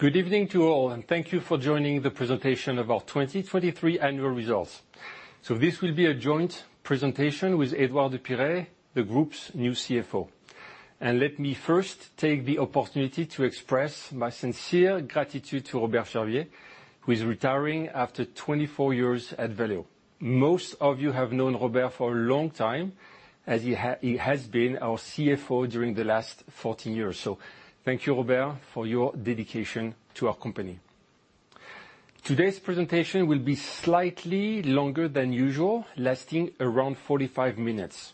Good evening to all, and thank you for joining the presentation of our 2023 annual results. This will be a joint presentation with Edouard de Pirey, the group's new CFO. Let me first take the opportunity to express my sincere gratitude to Robert Charvier, who is retiring after 24 years at Valeo. Most of you have known Robert for a long time, as he has been our CFO during the last 14 years. Thank you, Robert, for your dedication to our company. Today's presentation will be slightly longer than usual, lasting around 45 minutes.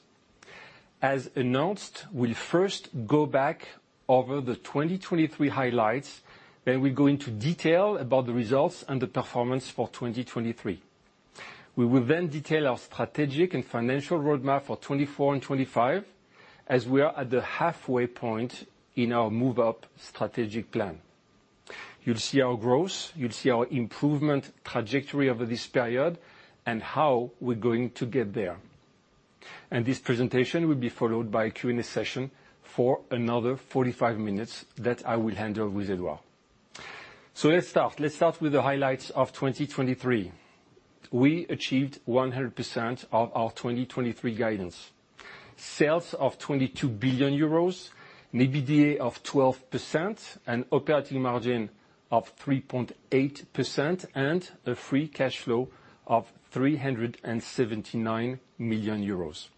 As announced, we'll first go back over the 2023 highlights, then we'll go into detail about the results and the performance for 2023. We will then detail our strategic and financial roadmap for 2024 and 2025, as we are at the halfway point in our Move Up strategic plan. You'll see our growth, you'll see our improvement trajectory over this period, and how we're going to get there. This presentation will be followed by a Q&A session for another 45 minutes that I will handle with Edoard. So let's start. Let's start with the highlights of 2023. We achieved 100% of our 2023 guidance: sales of 22 billion euros, EBITDA of 12%, an operating margin of 3.8%, and a free cash flow of 379 million euros.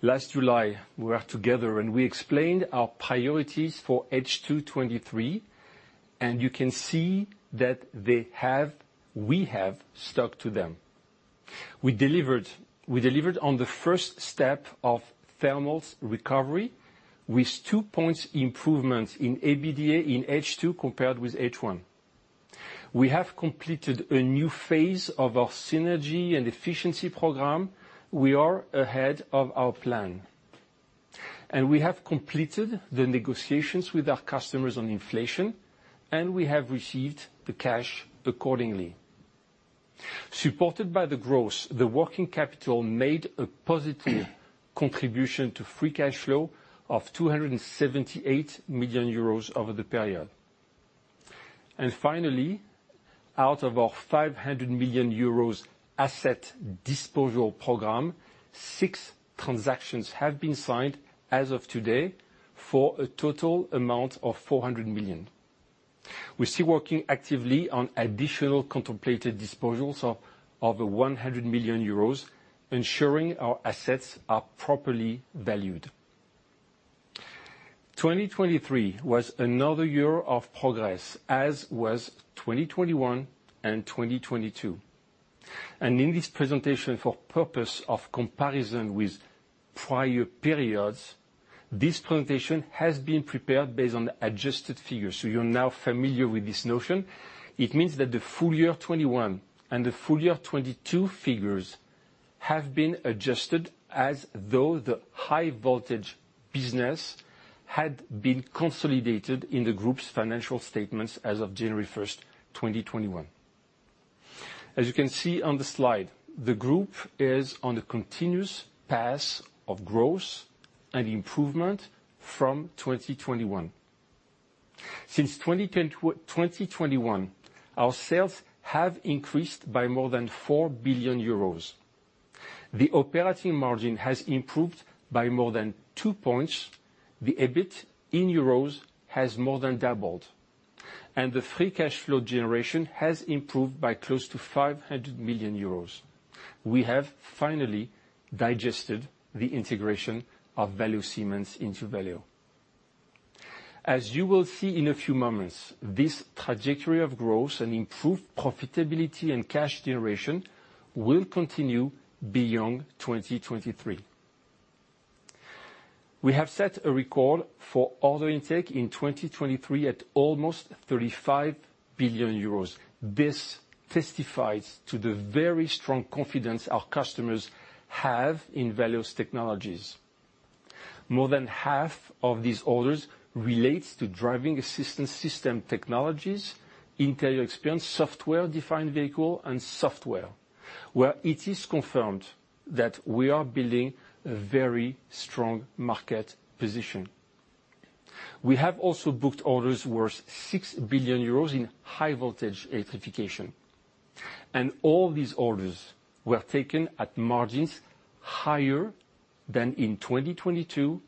Last July, we were together and we explained our priorities for H2 2023, and you can see that we have stuck to them. We delivered on the first step of thermal recovery with two points improvement in EBITDA in H2 compared with H1. We have completed a new phase of our synergy and efficiency program. We are ahead of our plan, and we have completed the negotiations with our customers on inflation, and we have received the cash accordingly. Supported by the growth, the working capital made a positive contribution to free cash flow of 278 million euros over the period. Finally, out of our 500 million euros asset disposal program, six transactions have been signed as of today for a total amount of 400 million. We're still working actively on additional contemplated disposals of over 100 million euros, ensuring our assets are properly valued. 2023 was another year of progress, as was 2021 and 2022. In this presentation, for purpose of comparison with prior periods, this presentation has been prepared based on adjusted figures. You're now familiar with this notion. It means that the full year 2021 and the full year 2022 figures have been adjusted as though the high voltage business had been consolidated in the group's financial statements as of January 1st, 2021. As you can see on the slide, the group is on a continuous path of growth and improvement from 2021. Since 2020, 2021, our sales have increased by more than 4 billion euros. The operating margin has improved by more than two points. The EBIT in euros has more than doubled, and the free cash flow generation has improved by close to 500 million euros. We have finally digested the integration of Valeo Siemens into Valeo. As you will see in a few moments, this trajectory of growth and improved profitability and cash generation will continue beyond 2023. We have set a record for order intake in 2023 at almost 35 billion euros. This testifies to the very strong confidence our customers have in Valeo's technologies. More than half of these orders relates to driving assistance system technologies, interior experience, software-defined vehicle, and software, where it is confirmed that we are building a very strong market position. We have also booked orders worth 6 billion euros in high voltage electrification, and all these orders were taken at margins higher than in 2022,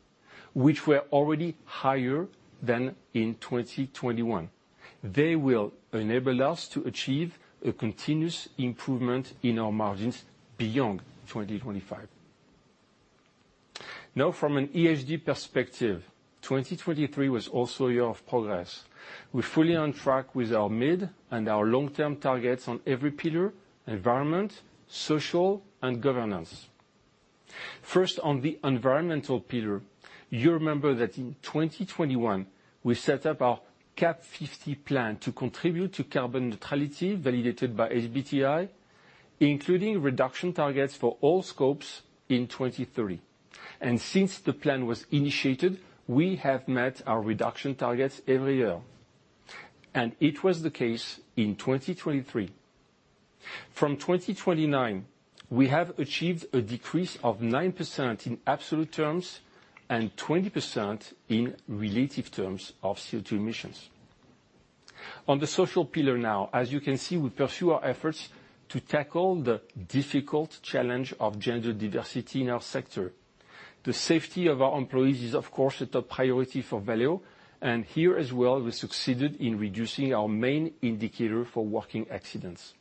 which were already higher than in 2021. They will enable us to achieve a continuous improvement in our margins beyond 2025. Now, from an ESG perspective, 2023 was also a year of progress. We're fully on track with our mid and our long-term targets on every pillar: environment, social, and governance. First, on the environmental pillar, you remember that in 2021 we set up our CAP 50 plan to contribute to carbon neutrality validated by SBTi, including reduction targets for all scopes in 2030. And since the plan was initiated, we have met our reduction targets every year, and it was the case in 2023. From 2029, we have achieved a decrease of 9% in absolute terms and 20% in relative terms of CO2 emissions. On the social pillar now, as you can see, we pursue our efforts to tackle the difficult challenge of gender diversity in our sector. The safety of our employees is, of course, a top priority for Valeo, and here as well, we succeeded in reducing our main indicator for working accidents.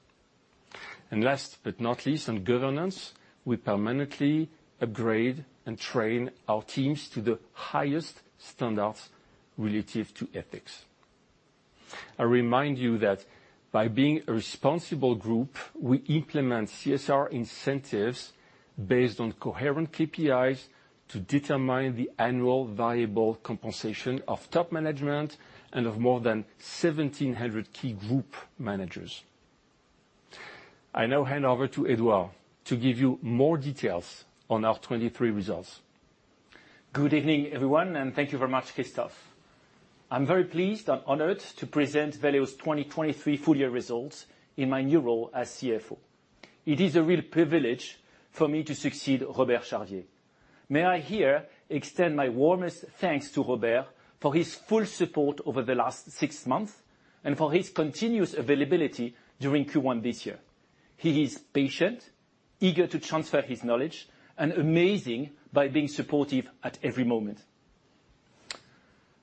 And last but not least, on governance, we permanently upgrade and train our teams to the highest standards relative to ethics. I remind you that by being a responsible group, we implement CSR incentives based on coherent KPIs to determine the annual variable compensation of top management and of more than 1,700 key group managers. I now hand over to Eduardo to give you more details on our 2023 results. Good evening, everyone, and thank you very much, Christophe. I'm very pleased and honored to present Valeo's 2023 full year results in my new role as CFO. It is a real privilege for me to succeed Robert Charvier. May I here extend my warmest thanks to Robert for his full support over the last six months and for his continuous availability during Q1 this year. He is patient, eager to transfer his knowledge, and amazing by being supportive at every moment.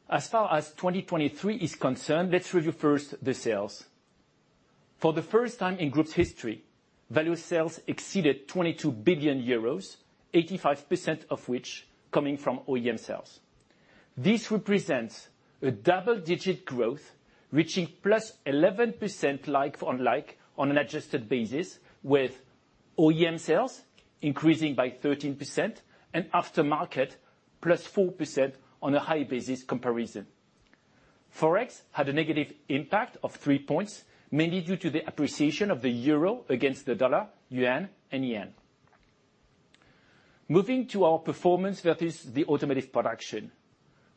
As far as 2023 is concerned, let's review first the sales. For the first time in group's history, Valeo's sales exceeded 22 billion euros, 85% of which coming from OEM sales. This represents a double-digit growth, reaching +11% like-for-like on an adjusted basis, with OEM sales increasing by 13% and aftermarket +4% on a high-basis comparison. Forex had a negative impact of 3 points, mainly due to the appreciation of the euro against the dollar, yuan, and yen. Moving to our performance versus the automotive production,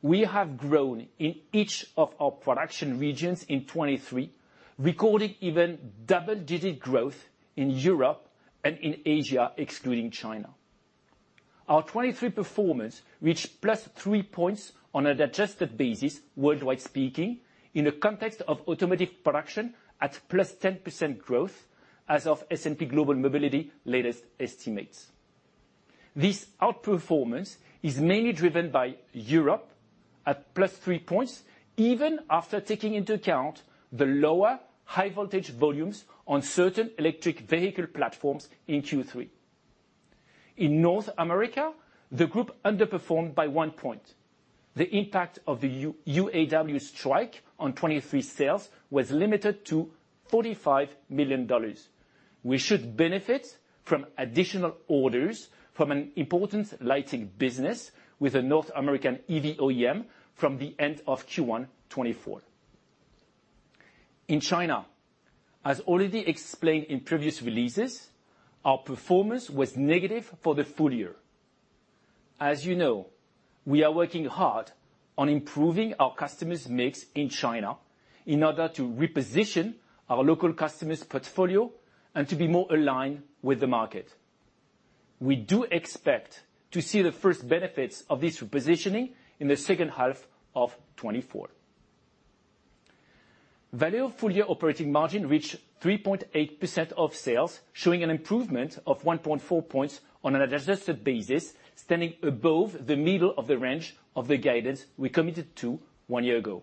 we have grown in each of our production regions in 2023, recording even double-digit growth in Europe and in Asia, excluding China. Our 2023 performance reached +3 points on an adjusted basis, worldwide speaking, in the context of automotive production at +10% growth as of S&P Global Mobility latest estimates. This outperformance is mainly driven by Europe at +3 points, even after taking into account the lower high voltage volumes on certain electric vehicle platforms in Q3. In North America, the group underperformed by 1 point. The impact of the UAW strike on 2023 sales was limited to $45 million. We should benefit from additional orders from an important lighting business with a North American EV OEM from the end of Q1 2024. In China, as already explained in previous releases, our performance was negative for the full year. As you know, we are working hard on improving our customers' mix in China in order to reposition our local customers' portfolio and to be more aligned with the market. We do expect to see the first benefits of this repositioning in the second half of 2024. Valeo full year operating margin reached 3.8% of sales, showing an improvement of 1.4 points on an adjusted basis, standing above the middle of the range of the guidance we committed to one year ago.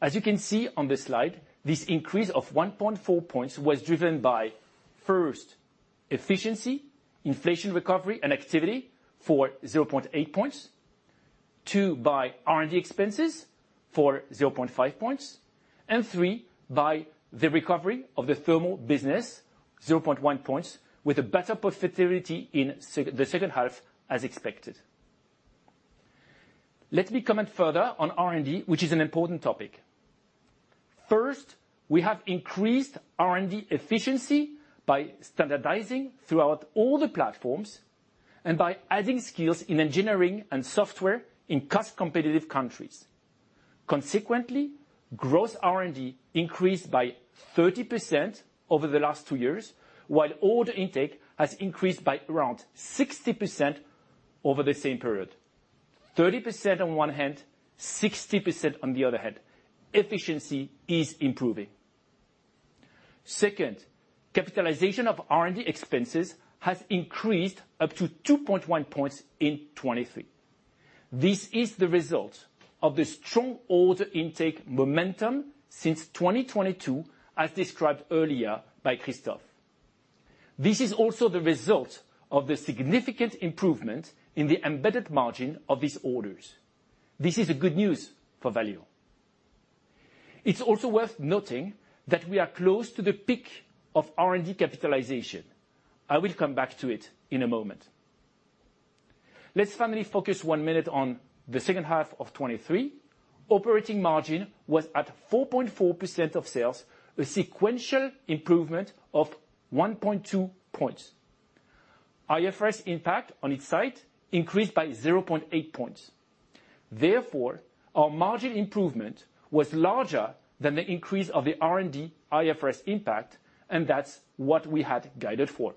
As you can see on the slide, this increase of 1.4 points was driven by, first, efficiency, inflation recovery and activity for 0.8 points. Two, by R&D expenses for 0.5 points. And three, by the recovery of the thermal business, 0.1 points, with a better profitability in the second half as expected. Let me comment further on R&D, which is an important topic. First, we have increased R&D efficiency by standardizing throughout all the platforms and by adding skills in engineering and software in cost-competitive countries. Consequently, gross R&D increased by 30% over the last two years, while order intake has increased by around 60% over the same period. 30% on one hand, 60% on the other hand. Efficiency is improving. Second, capitalization of R&D expenses has increased up to 2.1 points in 2023. This is the result of the strong order intake momentum since 2022, as described earlier by Christoph. This is also the result of the significant improvement in the embedded margin of these orders. This is good news for Valeo. It's also worth noting that we are close to the peak of R&D capitalization. I will come back to it in a moment. Let's finally focus one minute on the second half of 2023. Operating margin was at 4.4% of sales, a sequential improvement of 1.2 points. IFRS impact on its side increased by 0.8 points. Therefore, our margin improvement was larger than the increase of the R&D IFRS impact, and that's what we had guided for.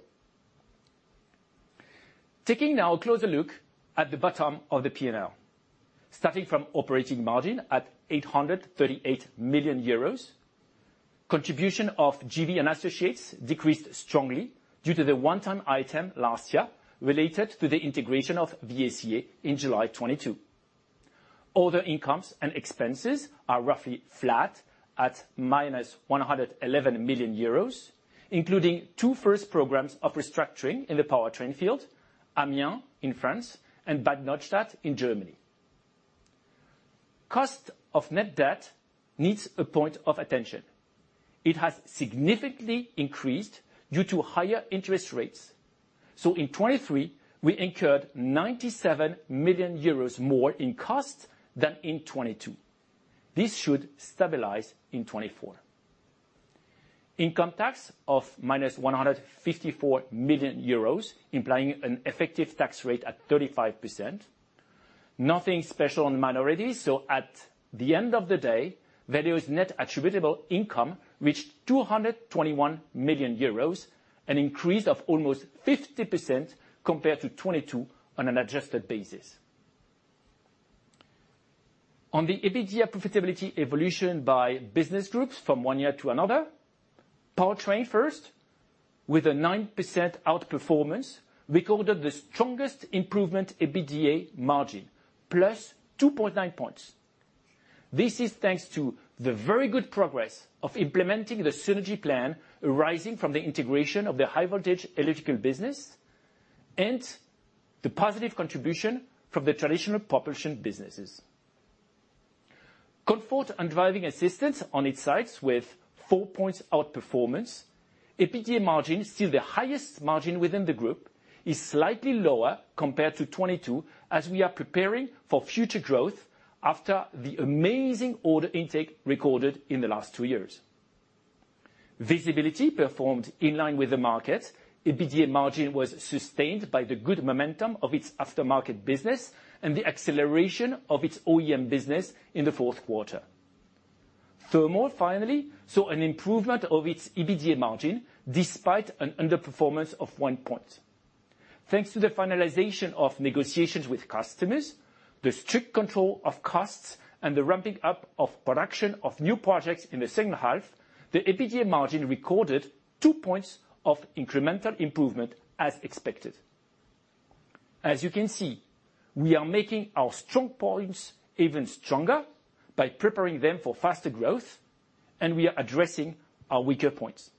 Taking now a closer look at the bottom of the P&L, starting from operating margin at 838 million euros, contribution of GV and associates decreased strongly due to the one-time item last year related to the integration of VSeA in July 2022. Other incomes and expenses are roughly flat at minus 111 million euros, including two first programs of restructuring in the powertrain field: Amiens in France and Bad Neustadt in Germany. Cost of net debt needs a point of attention. It has significantly increased due to higher interest rates. So in 2023, we incurred 97 million euros more in costs than in 2022. This should stabilize in 2024. Income tax of minus 154 million euros, implying an effective tax rate at 35%. Nothing special on minorities. So at the end of the day, Valeo's net attributable income reached 221 million euros, an increase of almost 50% compared to 2022 on an adjusted basis. On the EBITDA profitability evolution by business groups from one year to another, Powertrain first, with a 9% outperformance, recorded the strongest improvement EBITDA margin, plus 2.9 points. This is thanks to the very good progress of implementing the synergy plan arising from the integration of the high voltage electrical business and the positive contribution from the traditional propulsion businesses. Comfort and Driving Assistance on its sides, with 4 points outperformance, EBITDA margin, still the highest margin within the group, is slightly lower compared to 2022 as we are preparing for future growth after the amazing order intake recorded in the last two years. Visibility performed in line with the market. EBITDA margin was sustained by the good momentum of its aftermarket business and the acceleration of its OEM business in the fourth quarter. Thermal, finally, saw an improvement of its EBITDA margin despite an underperformance of 1 point. Thanks to the finalization of negotiations with customers, the strict control of costs, and the ramping up of production of new projects in the second half, the EBITDA margin recorded two points of incremental improvement as expected. As you can see, we are making our strong points even stronger by preparing them for faster growth, and we are addressing our weaker points.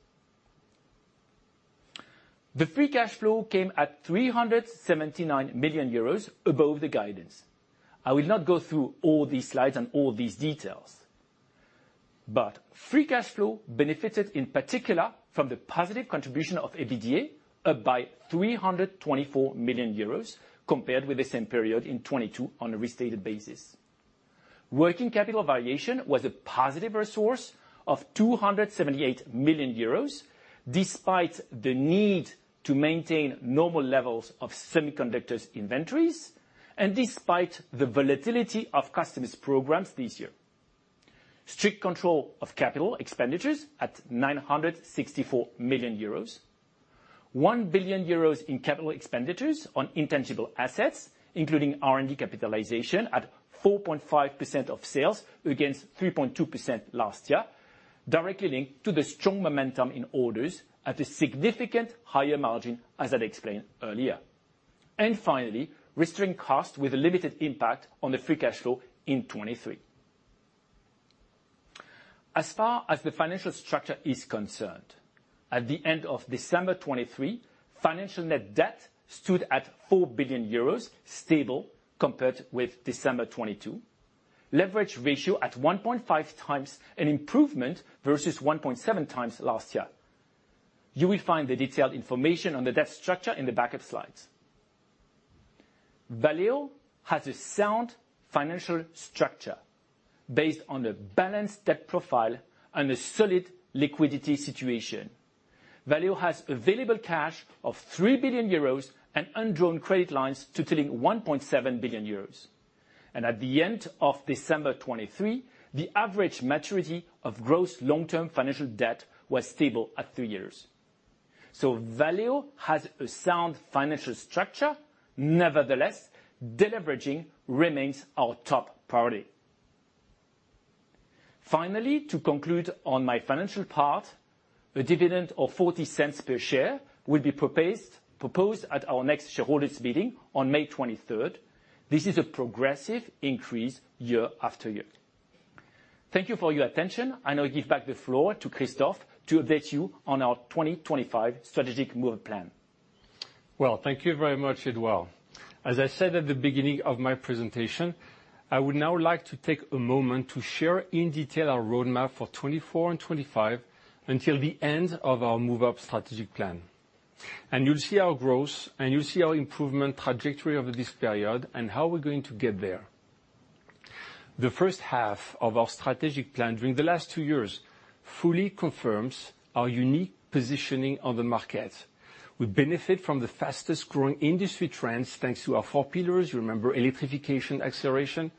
The free cash flow came at 379 million euros above the guidance. I will not go through all these slides and all these details. But free cash flow benefited in particular from the positive contribution of EBITDA, up by 324 million euros compared with the same period in 2022 on a restated basis. Working capital variation was a positive resource of 278 million euros despite the need to maintain normal levels of semiconductors inventories and despite the volatility of customers' programs this year. Strict control of capital expenditures at 964 million euros, 1 billion euros in capital expenditures on intangible assets, including R&D capitalization at 4.5% of sales against 3.2% last year, directly linked to the strong momentum in orders at a significant higher margin, as I explained earlier. Finally, restrained costs with a limited impact on the free cash flow in 2023. As far as the financial structure is concerned, at the end of December 2023, financial net debt stood at 4 billion euros, stable compared with December 2022, leverage ratio at 1.5 times an improvement versus 1.7 times last year. You will find the detailed information on the debt structure in the backup slides. Valeo has a sound financial structure based on a balanced debt profile and a solid liquidity situation. Valeo has available cash of 3 billion euros and undrawn credit lines totaling 1.7 billion euros. At the end of December 2023, the average maturity of gross long-term financial debt was stable at three years. So Valeo has a sound financial structure. Nevertheless, deleveraging remains our top priority. Finally, to conclude on my financial part, a dividend of 0.40 per share will be proposed at our next shareholders' meeting on May 23rd. This is a progressive increase year after year. Thank you for your attention. I now give back the floor to Christoph to update you on our 2025 strategic move plan. Well, thank you very much, Eduardo. As I said at the beginning of my presentation, I would now like to take a moment to share in detail our roadmap for 2024 and 2025 until the end of our Move Up strategic plan. And you'll see our growth, and you'll see our improvement trajectory over this period and how we're going to get there. The first half of our strategic plan during the last two years fully confirms our unique positioning on the market. We benefit from the fastest-growing industry trends thanks to our four pillars. You remember electrification acceleration?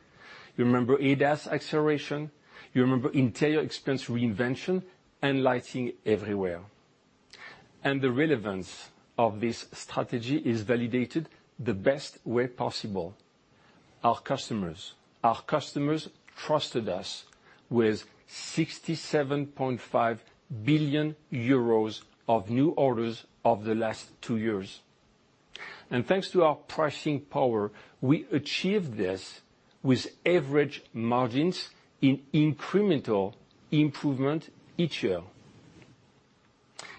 You remember ADAS acceleration? You remember interior experience reinvention and lighting everywhere? And the relevance of this strategy is validated the best way possible. Our customers trusted us with 67.5 billion euros of new orders over the last two years. Thanks to our pricing power, we achieved this with average margins in incremental improvement each year.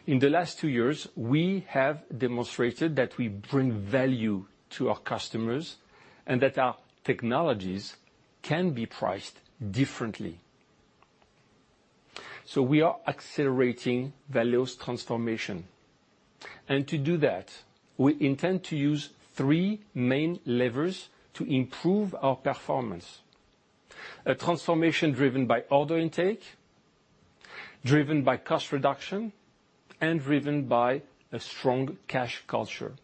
In the last two years, we have demonstrated that we bring value to our customers and that our technologies can be priced differently. We are accelerating Valeo's transformation. To do that, we intend to use three main levers to improve our performance: a transformation driven by order intake, driven by cost reduction, and driven by a strong cash culture.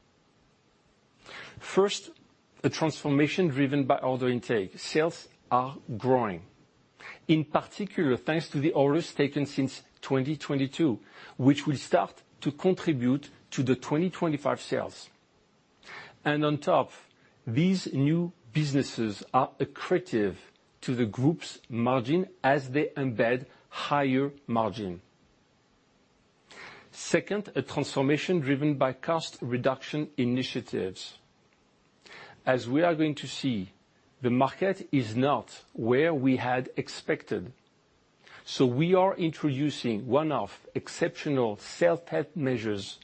First, a transformation driven by order intake. Sales are growing, in particular thanks to the orders taken since 2022, which will start to contribute to the 2025 sales. On top, these new businesses are accretive to the group's margin as they embed higher margin. Second, a transformation driven by cost reduction initiatives. As we are going to see, the market is not where we had expected. We are introducing one-off exceptional self-help measures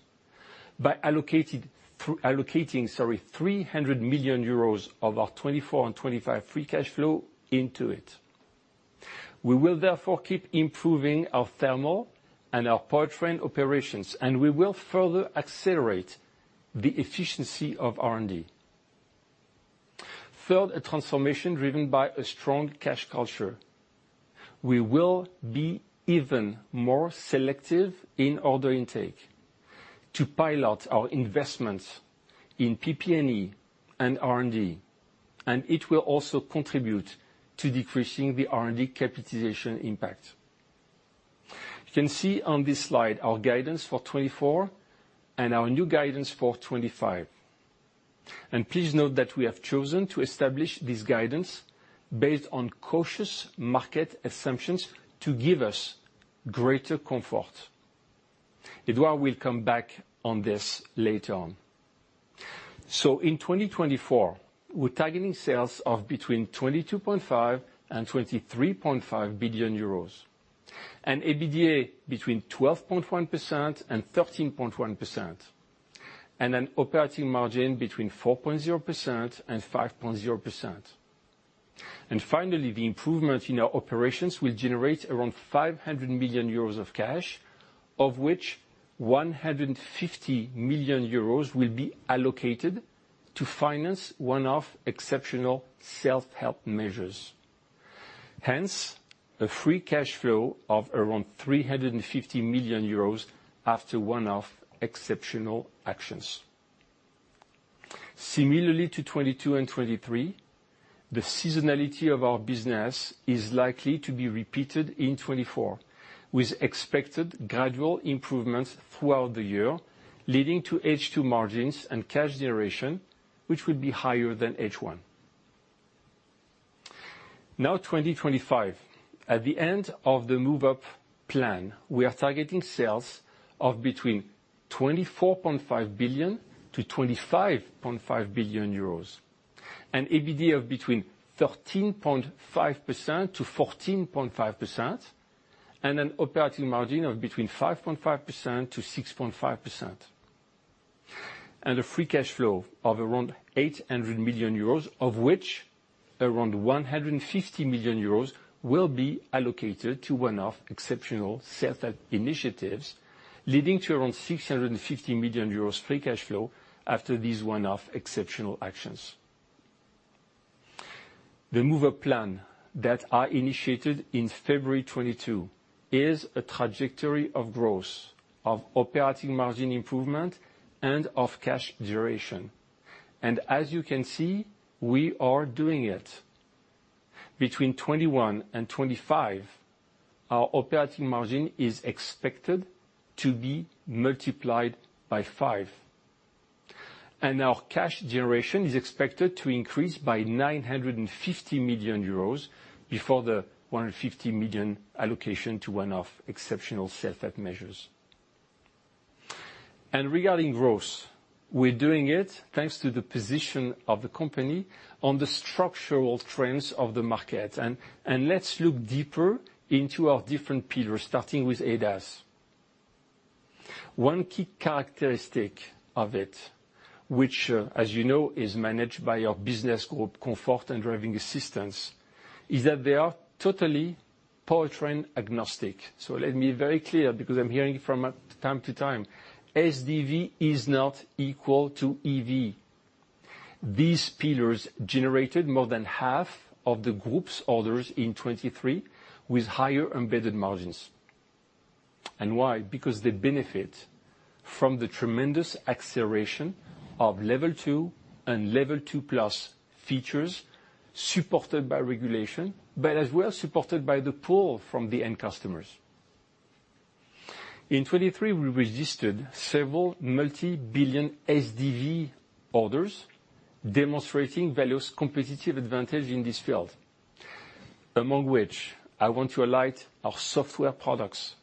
by allocating 300 million euros of our 2024 and 2025 free cash flow into it. We will therefore keep improving our thermal and our powertrain operations, and we will further accelerate the efficiency of R&D. Third, a transformation driven by a strong cash culture. We will be even more selective in order intake to pilot our investments in PP&E and R&D. And it will also contribute to decreasing the R&D capitalization impact. You can see on this slide our guidance for 2024 and our new guidance for 2025. And please note that we have chosen to establish this guidance based on cautious market assumptions to give us greater comfort. Eduardo will come back on this later on. So in 2024, we're targeting sales of between 22.5 billion and 23.5 billion euros, an EBITDA between 12.1% and 13.1%, and an operating margin between 4.0% and 5.0%. Finally, the improvement in our operations will generate around 500 million euros of cash, of which 150 million euros will be allocated to finance one-off exceptional self-help measures. Hence, a free cash flow of around 350 million euros after one-off exceptional actions. Similarly to 2022 and 2023, the seasonality of our business is likely to be repeated in 2024 with expected gradual improvements throughout the year leading to H2 margins and cash generation, which will be higher than H1. Now, 2025. At the end of the Move Up plan, we are targeting sales of between 24.5 billion-25.5 billion euros, an EBITDA of between 13.5%-14.5%, and an operating margin of between 5.5%-6.5%, and a free cash flow of around 800 million euros, of which around 150 million euros will be allocated to one-off exceptional self-help initiatives leading to around 650 million euros free cash flow after these one-off exceptional actions. The Move Up plan that I initiated in February 2022 is a trajectory of growth, of operating margin improvement, and of cash generation. As you can see, we are doing it. Between 2021 and 2025, our operating margin is expected to be multiplied by five. Our cash generation is expected to increase by 950 million euros before the 150 million allocation to one-off exceptional self-help measures. Regarding growth, we're doing it thanks to the position of the company on the structural trends of the market. Let's look deeper into our different pillars, starting with ADAS. One key characteristic of it, which, as you know, is managed by our business group, Comfort and Driving Assistance, is that they are totally powertrain agnostic. So let me be very clear because I'm hearing from time to time, SDV is not equal to EV. These pillars generated more than half of the group's orders in 2023 with higher embedded margins. And why? Because they benefit from the tremendous acceleration of level two and level two plus features supported by regulation, but as well supported by the pull from the end customers. In 2023, we registered several multi-billion SDV orders demonstrating Valeo's competitive advantage in this field, among which I want to highlight our software products.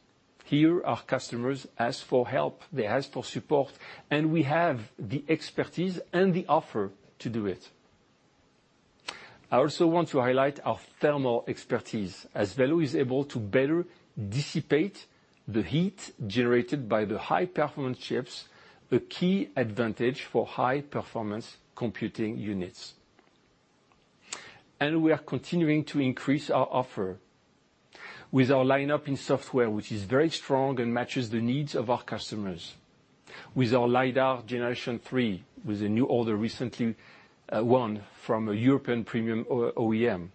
Here, our customers ask for help, they ask for support, and we have the expertise and the offer to do it. I also want to highlight our thermal expertise as Valeo is able to better dissipate the heat generated by the high-performance chips, a key advantage for high-performance computing units. We are continuing to increase our offer with our lineup in software, which is very strong and matches the needs of our customers, with our LiDAR generation three, with a new order recently won from a European premium OEM,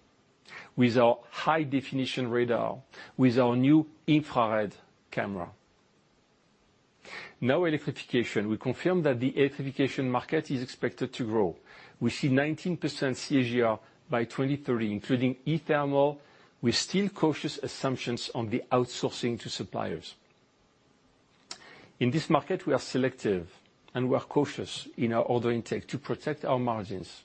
with our high-definition radar, with our new infrared camera. Now, electrification. We confirm that the electrification market is expected to grow. We see 19% CAGR by 2030, including e-thermal, with still cautious assumptions on the outsourcing to suppliers. In this market, we are selective and we are cautious in our order intake to protect our margins.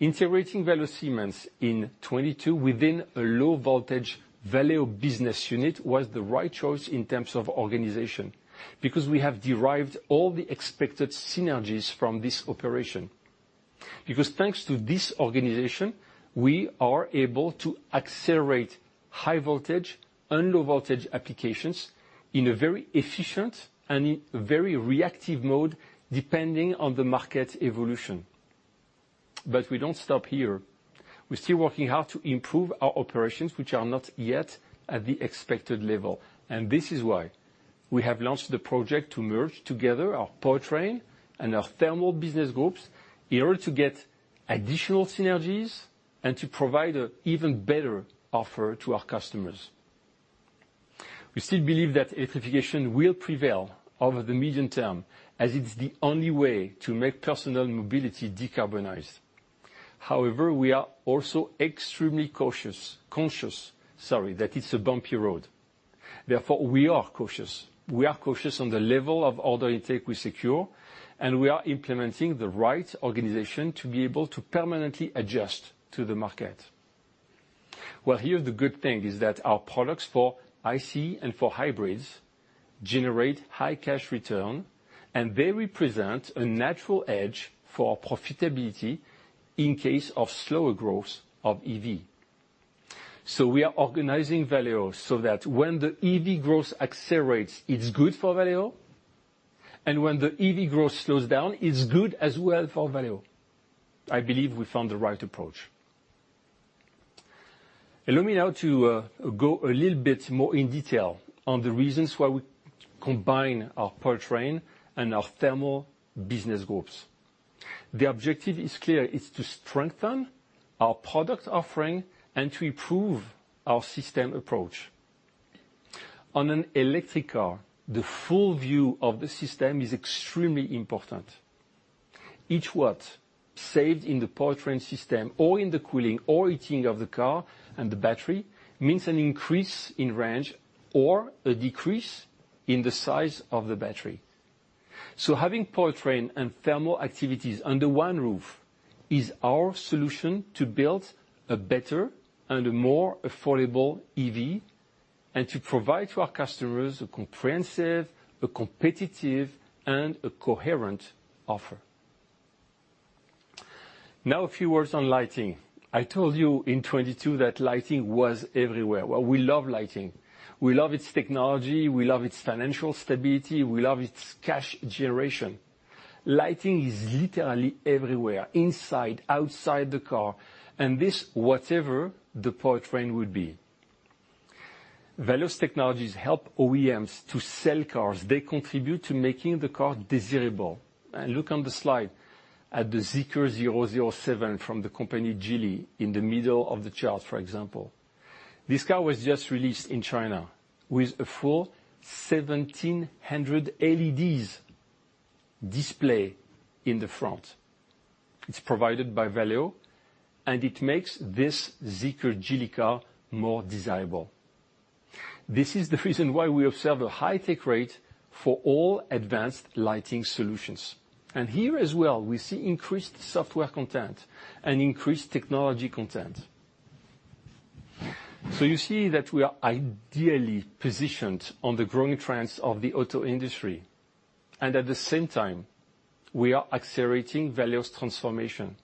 Integrating Valeo Siemens in 2022 within a low-voltage Valeo business unit was the right choice in terms of organization because we have derived all the expected synergies from this operation. Because thanks to this organization, we are able to accelerate high-voltage and low-voltage applications in a very efficient and very reactive mode depending on the market evolution. But we don't stop here. We're still working hard to improve our operations, which are not yet at the expected level. This is why we have launched the project to merge together our powertrain and our thermal business groups in order to get additional synergies and to provide an even better offer to our customers. We still believe that electrification will prevail over the medium term as it's the only way to make personal mobility decarbonized. However, we are also extremely cautious, conscious, sorry, that it's a bumpy road. Therefore, we are cautious. We are cautious on the level of order intake we secure, and we are implementing the right organization to be able to permanently adjust to the market. Well, here's the good thing is that our products for IC and for hybrids generate high cash return, and they represent a natural edge for profitability in case of slower growth of EV. So we are organizing Valeo so that when the EV growth accelerates, it's good for Valeo. And when the EV growth slows down, it's good as well for Valeo. I believe we found the right approach. Allow me now to go a little bit more in detail on the reasons why we combine our powertrain and our thermal business groups. The objective is clear. It's to strengthen our product offering and to improve our system approach. On an electric car, the full view of thesystem is extremely important. Each watt saved in the powertrain system or in the cooling or heating of the car and the battery means an increase in range or a decrease in the size of the battery. So having powertrain and thermal activities under one roof is our solution to build a better and a more affordable EV and to provide to our customers a comprehensive, a competitive, and a coherent offer. Now, a few words on lighting. I told you in 2022 that lighting was everywhere. Well, we love lighting. We love its technology. We love its financial stability. We love its cash generation. Lighting is literally everywhere, inside, outside the car, and this whatever the powertrain would be. Valeo's technologies help OEMs to sell cars. They contribute to making the car desirable. Look on the slide at the Zeekr 007 from the company Geely in the middle of the chart, for example. This car was just released in China with a full 1,700 LEDs display in the front. It's provided by Valeo, and it makes this Zeekr Geely car more desirable. This is the reason why we observe a high take rate for all advanced lighting solutions. And here as well, we see increased software content and increased technology content. So you see that we are ideally positioned on the growing trends of the auto industry, and at the same time, we are accelerating Valeo's transformation.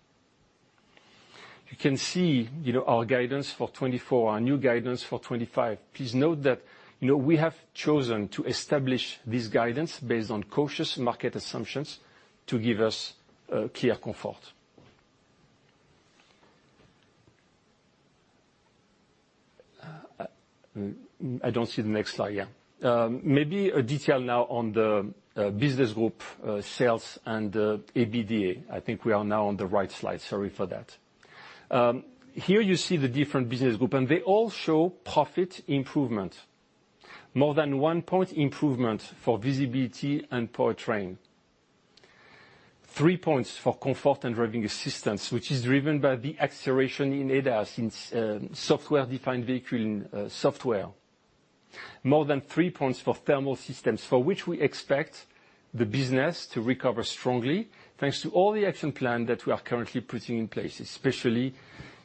You can see our guidance for 2024, our new guidance for 2025. Please note that we have chosen to establish this guidance based on cautious market assumptions to give us clear comfort. I don't see the next slide yet. Maybe a detail now on the business groups, sales, and NABDA. I think we are now on the right slide. Sorry for that. Here you see the different business groups, and they all show profit improvement, more than one point improvement for Visibility and Powertrain, three points for Comfort and Driving Assistance, which is driven by the acceleration in ADAS, in software-defined vehicle software, more than three points for Thermal Systems for which we expect the business to recover strongly thanks to all the action plan that we are currently putting in place, especially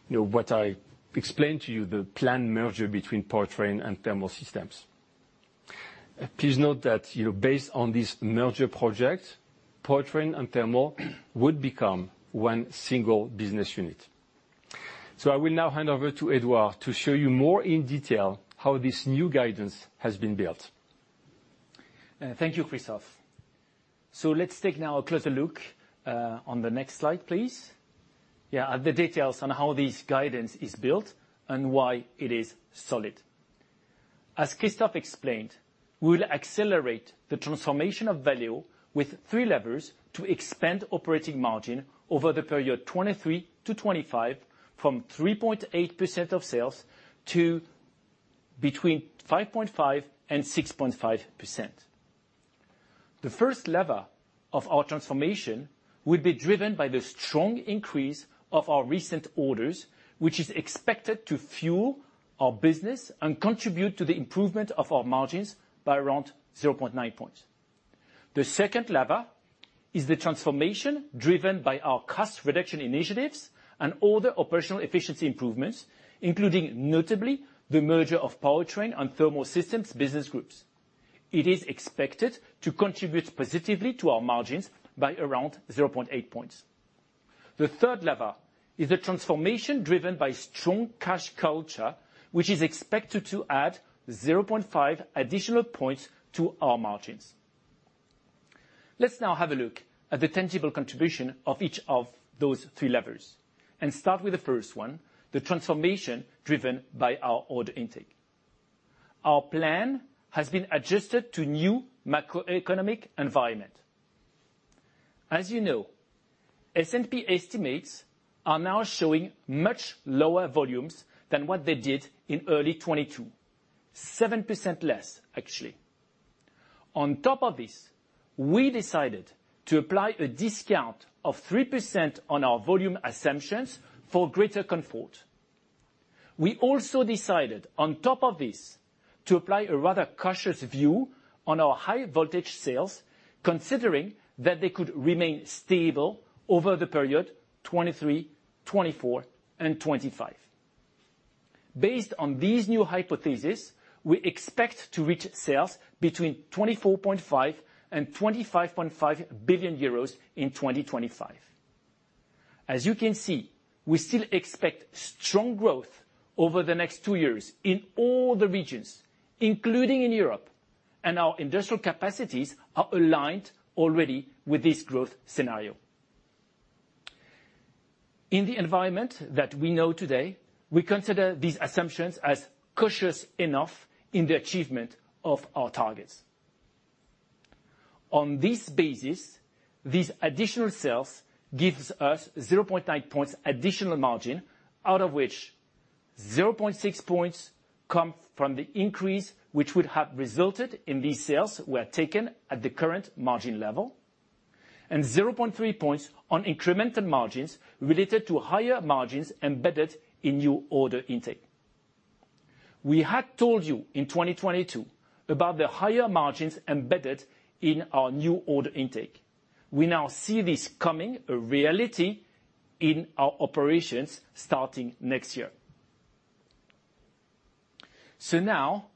what I explained to you, the plan merger between powertrain and thermal systems. Please note that based on this merger project, powertrain and thermal would become one single business unit. So I will now hand over to Edouard to show you more in detail how this new guidance has been built. Thank you, Christoph. So let's take now a closer look on the next slide, please. Yeah, the details on how this guidance is built and why it is solid. As Christoph explained, we will accelerate the transformation of Valeo with three levers to expand operating margin over the period 2023 to 2025 from 3.8% of sales to between 5.5% and 6.5%. The first lever of our transformation would be driven by the strong increase of our recent orders, which is expected to fuel our business and contribute to the improvement of our margins by around 0.9 points. The second lever is the transformation driven by our cost reduction initiatives and other operational efficiency improvements, including notably the merger of powertrain and thermal systems business groups. It is expected to contribute positively to our margins by around 0.8 points. The third lever is the transformation driven by strong cash culture, which is expected to add 0.5 additional points to our margins. Let's now have a look at the tangible contribution of each of those three levers and start with the first one, the transformation driven by our order intake. Our plan has been adjusted to new macroeconomic environment. As you know, S&P estimates are now showing much lower volumes than what they did in early 2022, 7% less, actually. On top of this, we decided to apply a discount of 3% on our volume assumptions for greater comfort. We also decided, on top of this, to apply a rather cautious view on our high-voltage sales, considering that they could remain stable over the period 2023, 2024, and 2025. Based on these new hypotheses, we expect to reach sales between 24.5 billion and 25.5 billion euros in 2025. As you can see, we still expect strong growth over the next 2 years in all the regions, including in Europe, and our industrial capacities are aligned already with this growth scenario. In the environment that we know today, we consider these assumptions as cautious enough in the achievement of our targets. On this basis, these additional sales give us 0.9 points additional margin, out of which 0.6 points come from the increase which would have resulted in these sales were taken at the current margin level, and 0.3 points on incremental margins related to higher margins embedded in new order intake. We had told you in 2022 about the higher margins embedded in our new order intake. We now see this coming a reality in our operations starting next year. So now,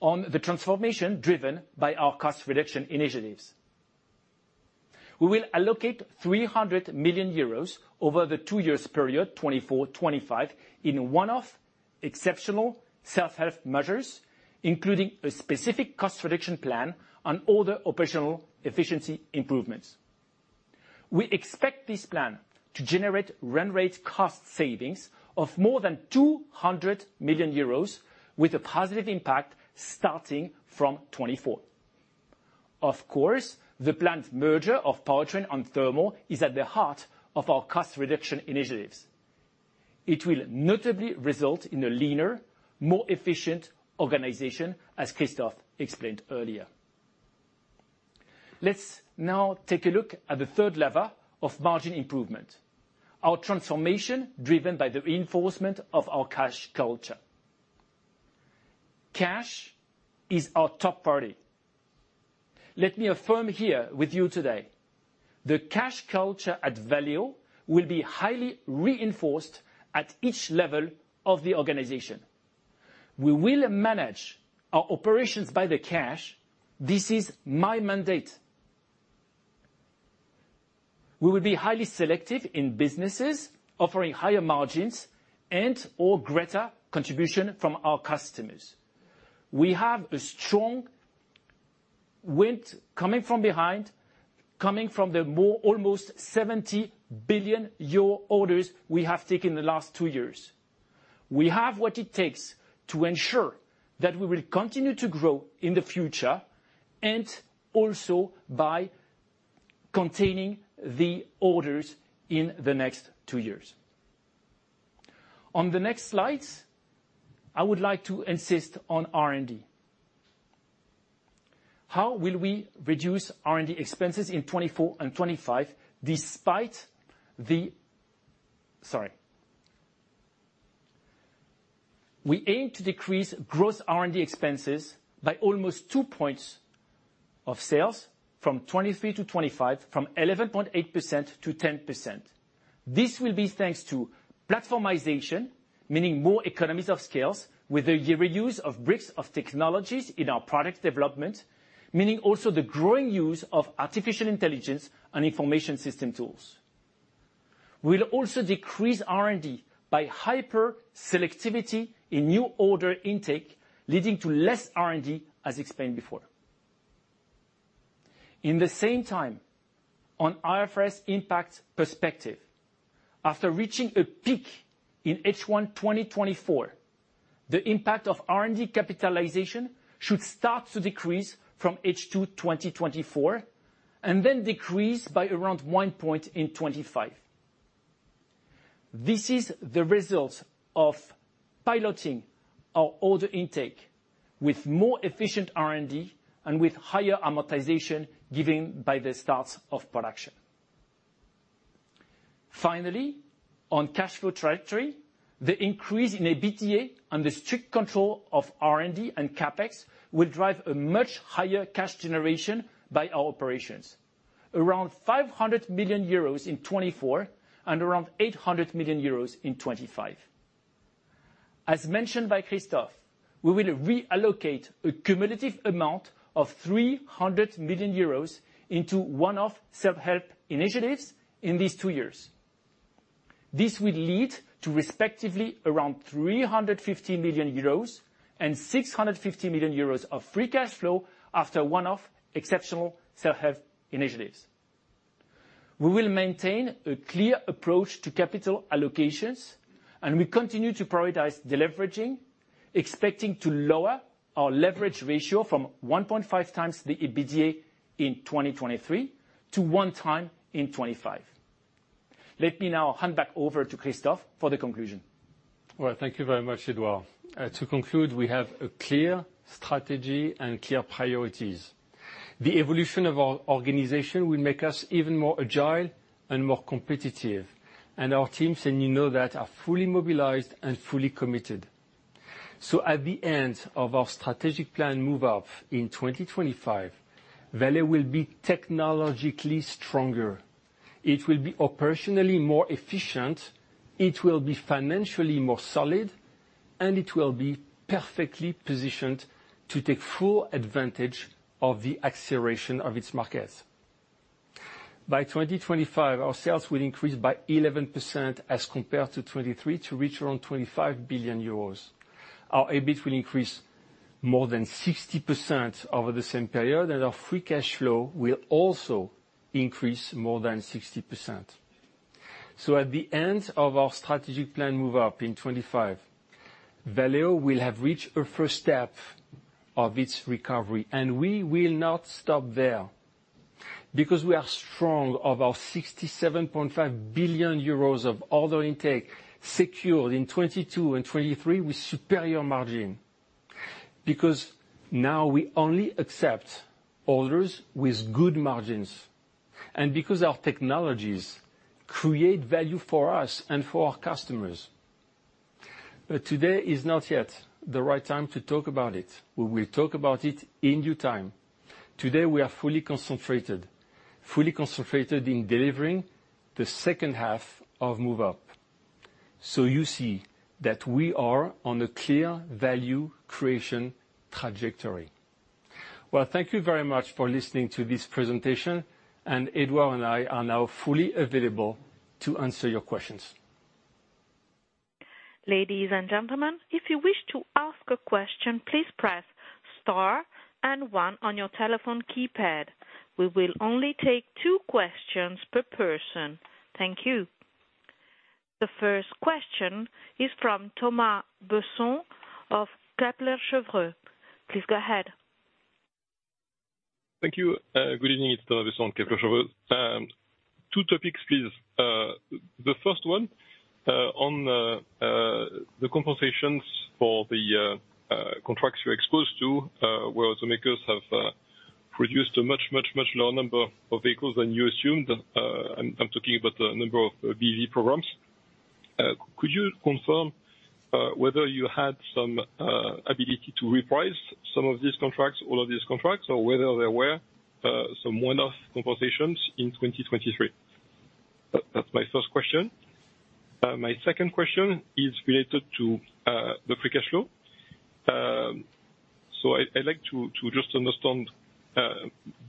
on the transformation driven by our cost reduction initiatives, we will allocate 300 million euros over the two-year period 2024-2025 in one-off exceptional self-help measures, including a specific cost reduction plan on other operational efficiency improvements. We expect this plan to generate run-rate cost savings of more than 200 million euros, with a positive impact starting from 2024. Of course, the planned merger of powertrain and thermal is at the heart of our cost reduction initiatives. It will notably result in a leaner, more efficient organization, as Christoph explained earlier. Let's now take a look at the third lever of margin improvement, our transformation driven by the reinforcement of our cash culture. Cash is our top priority. Let me affirm here with you today, the cash culture at Valeo will be highly reinforced at each level of the organization. We will manage our operations by the cash. This is my mandate. We will be highly selective in businesses offering higher margins and/or greater contribution from our customers. We have a strong wind coming from behind, coming from the almost 70 billion euro orders we have taken the last two years. We have what it takes to ensure that we will continue to grow in the future and also by containing the orders in the next two years. On the next slides, I would like to insist on R&D. How will we reduce R&D expenses in 2024 and 2025 despite the sorry. We aim to decrease gross R&D expenses by almost two points of sales from 2023 to 2025, from 11.8%-10%. This will be thanks to platformization, meaning more economies of scale with the yearly use of bricks of technologies in our product development, meaning also the growing use of artificial intelligence and information system tools. We will also decrease R&D by hyper-selectivity in new order intake, leading to less R&D, as explained before. In the same time, on IFRS impact perspective, after reaching a peak in H1 2024, the impact of R&D capitalization should start to decrease from H2 2024 and then decrease by around one point in 2025. This is the result of piloting our order intake with more efficient R&D and with higher amortization given by the starts of production. Finally, on cash flow trajectory, the increase in NABDA and the strict control of R&D and CapEx will drive a much higher cash generation by our operations, around 500 million euros in 2024 and around 800 million euros in 2025. As mentioned by Christoph, we will reallocate a cumulative amount of 300 million euros into one-off self-help initiatives in these two years. This will lead to respectively around 350 million euros and 650 million euros of free cash flow after one-off exceptional self-help initiatives. We will maintain a clear approach to capital allocations, and we continue to prioritize deleveraging, expecting to lower our leverage ratio from 1.5 times the NABDA in 2023 to one time in 2025. Let me now hand back over to Christoph for the conclusion. Well, thank you very much, Eduardo. To conclude, we have a clear strategy and clear priorities. The evolution of our organization will make us even more agile and more competitive, and our teams, and you know that, are fully mobilized and fully committed. So at the end of our strategic plan Move Up in 2025, Valeo will be technologically stronger. It will be operationally more efficient. It will be financially more solid, and it will be perfectly positioned to take full advantage of the acceleration of its markets. By 2025, our sales will increase by 11% as compared to 2023 to reach around 25 billion euros. Our EBIT will increase more than 60% over the same period, and our free cash flow will also increase more than 60%. At the end of our strategic plan Move Up in 2025, Valeo will have reached a first step of its recovery, and we will not stop there because we are strong of our 67.5 billion euros of order intake secured in 2022 and 2023 with superior margin because now we only accept orders with good margins and because our technologies create value for us and for our customers. But today is not yet the right time to talk about it. We will talk about it in due time. Today, we are fully concentrated, fully concentrated in delivering the second half of Move Up. So you see that we are on a clear value creation trajectory. Well, thank you very much for listening to this presentation, and Eduardo and I are now fully available to answer your questions. Ladies and gentlemen, if you wish to ask a question, please press star and one on your telephone keypad. We will only take two questions per person. Thank you. The first question is from Thomas Besson of Kepler Cheuvreux. Please go ahead. Thank you. Good evening. It's Thomas Besson, Kepler Cheuvreux. Two topics, please. The first one, on the compensations for the contracts you're exposed to, where automakers have produced a much, much, much lower number of vehicles than you assumed. I'm talking about the number of BEV programs. Could you confirm whether you had some ability to reprise some of these contracts, all of these contracts, or whether there were some one-off compensations in 2023? That's my first question. My second question is related to the free cash flow. So I'd like to just understand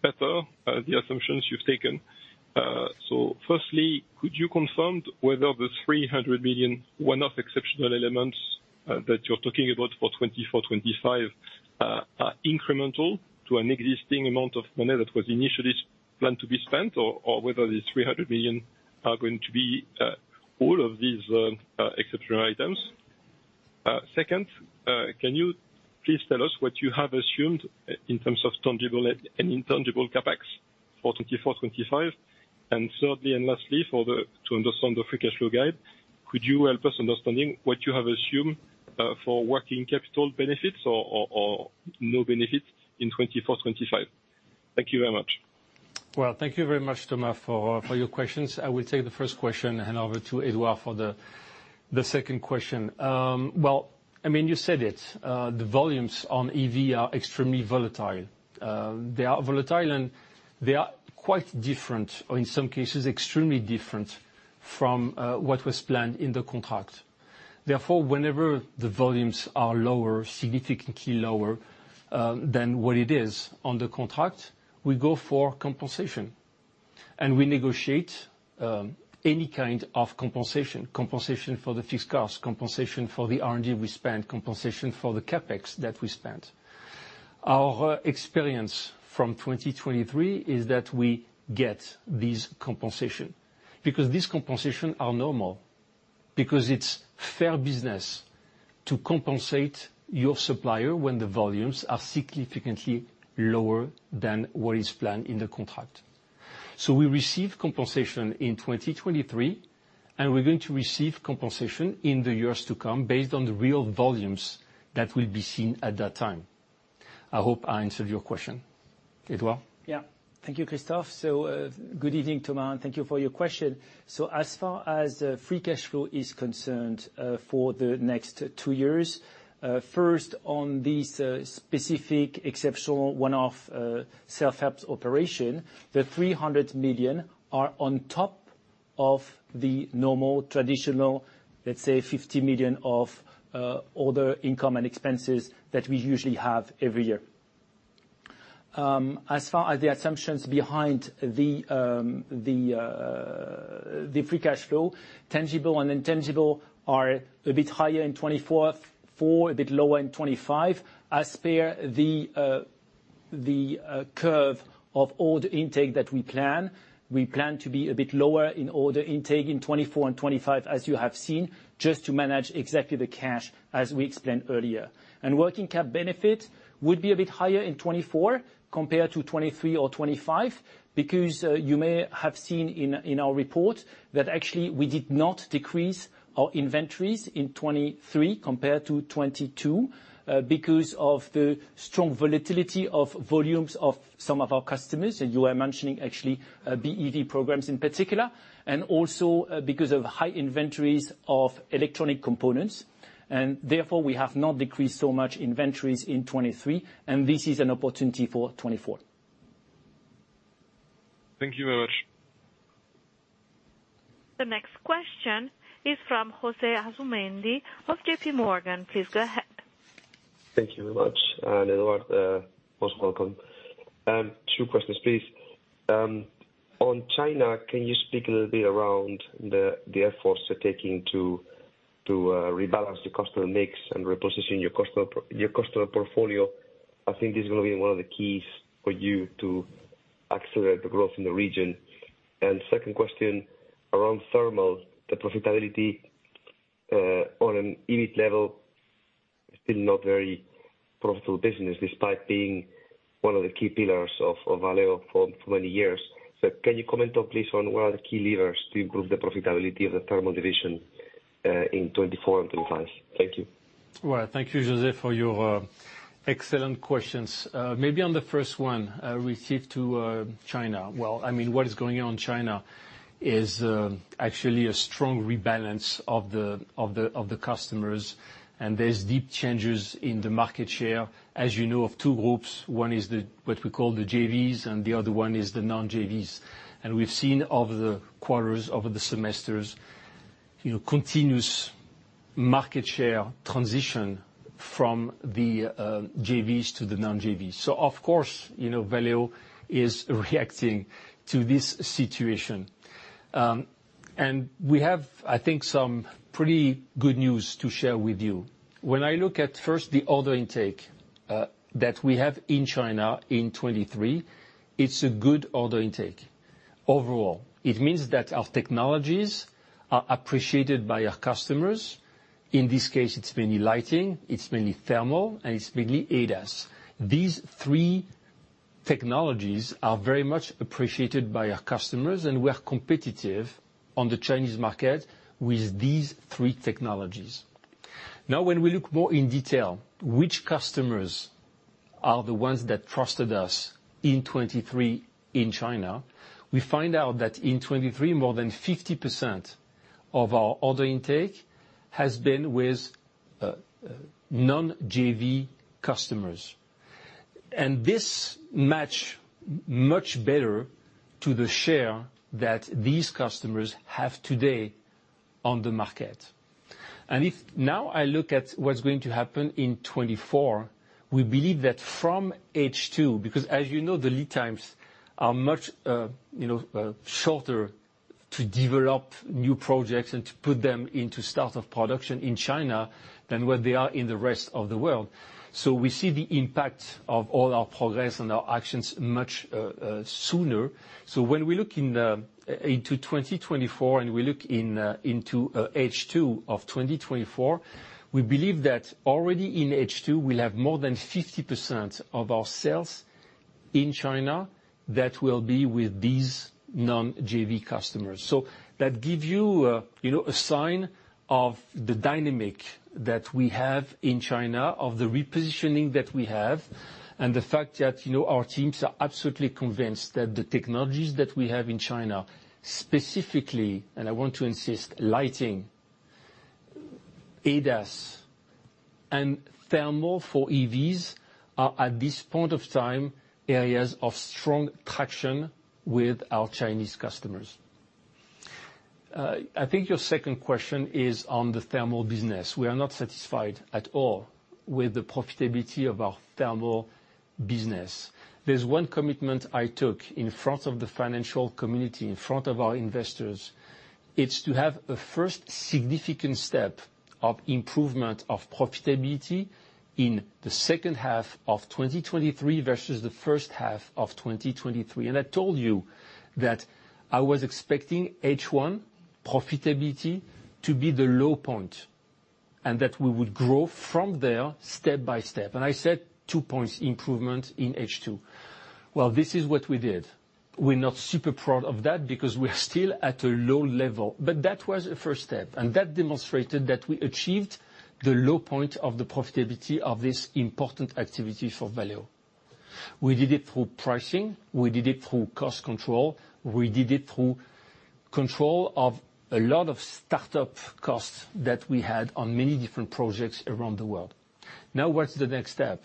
better the assumptions you've taken. So firstly, could you confirm whether the 300 million one-off exceptional elements that you're talking about for 2024-2025 are incremental to an existing amount of money that was initially planned to be spent, or whether these 300 million are going to be all of these exceptional items? Second, can you please tell us what you have assumed in terms of tangible and intangible CapEx for 2024-2025? And thirdly and lastly, to understand the free cash flow guide, could you help us understanding what you have assumed for working capital benefits or no benefits in 2024-2025? Thank you very much. Well, thank you very much, Thomas, for your questions. I will take the first question and hand over to Eduardo for the second question. Well, I mean, you said it. The volumes on EV are extremely volatile. They are volatile, and they are quite different, or in some cases, extremely different from what was planned in the contract. Therefore, whenever the volumes are lower, significantly lower than what it is on the contract, we go for compensation, and we negotiate any kind of compensation, compensation for the fixed costs, compensation for the R&D we spent, compensation for the CapEx that we spent. Our experience from 2023 is that we get these compensations because these compensations are normal, because it's fair business to compensate your supplier when the volumes are significantly lower than what is planned in the contract. We receive compensation in 2023, and we're going to receive compensation in the years to come based on the real volumes that will be seen at that time. I hope I answered your question, Eduardo. Yeah. Thank you, Christoph. So good evening, Thomas, and thank you for your question. So as far as free cash flow is concerned for the next two years, first, on this specific exceptional one-off self-help operation, the 300 million are on top of the normal traditional, let's say, 50 million of other income and expenses that we usually have every year. As far as the assumptions behind the free cash flow, tangible and intangible are a bit higher in 2024, a bit lower in 2025. As per the curve of order intake that we plan, we plan to be a bit lower in order intake in 2024 and 2025, as you have seen, just to manage exactly the cash, as we explained earlier. Working cap benefit would be a bit higher in 2024 compared to 2023 or 2025 because you may have seen in our report that actually we did not decrease our inventories in 2023 compared to 2022 because of the strong volatility of volumes of some of our customers. You were mentioning actually BV programs in particular, and also because of high inventories of electronic components. Therefore, we have not decreased so much inventories in 2023, and this is an opportunity for 2024. Thank you very much. The next question is from José Asumendi of JP Morgan. Please go ahead. Thank you very much. Eduardo, most welcome. Two questions, please. On China, can you speak a little bit around the efforts you're taking to rebalance your customer mix and reposition your customer portfolio? I think this is going to be one of the keys for you to accelerate the growth in the region. Second question, around thermal, the profitability on an EBIT level, still not very profitable business despite being one of the key pillars of Valeo for many years. So can you comment on, please, on what are the key levers to improve the profitability of the thermal division in 2024 and 2025? Thank you. Well, thank you, José, for your excellent questions. Maybe on the first one, relative to China. Well, I mean, what is going on in China is actually a strong rebalance of the customers, and there's deep changes in the market share, as you know, of two groups. One is what we call the JVs, and the other one is the non-JVs. And we've seen over the quarters, over the semesters, continuous market share transition from the JVs to the non-JVs. So, of course, Valeo is reacting to this situation. And we have, I think, some pretty good news to share with you. When I look at first the order intake that we have in China in 2023, it's a good order intake. Overall, it means that our technologies are appreciated by our customers. In this case, it's mainly lighting, it's mainly thermal, and it's mainly ADAS. These three technologies are very much appreciated by our customers, and we are competitive on the Chinese market with these three technologies. Now, when we look more in detail which customers are the ones that trusted us in 2023 in China, we find out that in 2023, more than 50% of our order intake has been with non-JV customers. This matches much better to the share that these customers have today on the market. And if now I look at what's going to happen in 2024, we believe that from H2, because, as you know, the lead times are much shorter to develop new projects and to put them into start of production in China than what they are in the rest of the world. So we see the impact of all our progress and our actions much sooner. When we look into 2024 and we look into H2 of 2024, we believe that already in H2, we'll have more than 50% of our sales in China that will be with these non-JV customers. So that gives you a sign of the dynamic that we have in China, of the repositioning that we have, and the fact that our teams are absolutely convinced that the technologies that we have in China, specifically and I want to insist, lighting, ADAS, and thermal for EVs are at this point of time areas of strong traction with our Chinese customers. I think your second question is on the thermal business. We are not satisfied at all with the profitability of our thermal business. There's one commitment I took in front of the financial community, in front of our investors. It's to have a first significant step of improvement of profitability in the second half of 2023 versus the first half of 2023. I told you that I was expecting H1 profitability to be the low point and that we would grow from there step by step. I said 2 points improvement in H2. Well, this is what we did. We're not super proud of that because we are still at a low level. But that was a first step, and that demonstrated that we achieved the low point of the profitability of this important activity for Valeo. We did it through pricing. We did it through cost control. We did it through control of a lot of startup costs that we had on many different projects around the world. Now, what's the next step?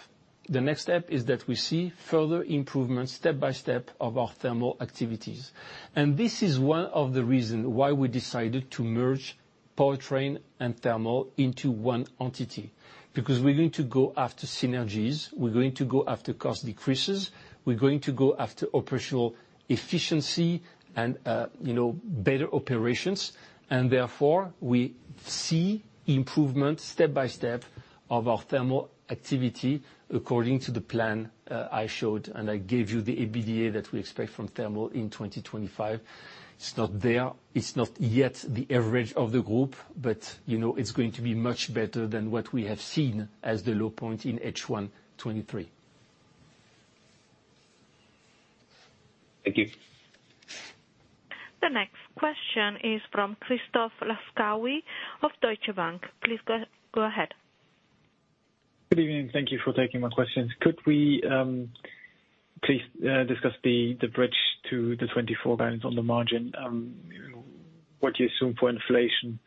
The next step is that we see further improvement step by step of our thermal activities. This is one of the reasons why we decided to merge powertrain and thermal into one entity because we're going to go after synergies. We're going to go after cost decreases. We're going to go after operational efficiency and better operations. Therefore, we see improvement step by step of our thermal activity according to the plan I showed. I gave you the EBITDA that we expect from thermal in 2025. It's not there. It's not yet the average of the group, but it's going to be much better than what we have seen as the low point in H1 2023. Thank you. The next question is from Christoph Laskawi of Deutsche Bank. Please go ahead. Good evening. Thank you for taking my questions. Could we please discuss the bridge to the 2024 guidance on the margin? What do you assume for inflation,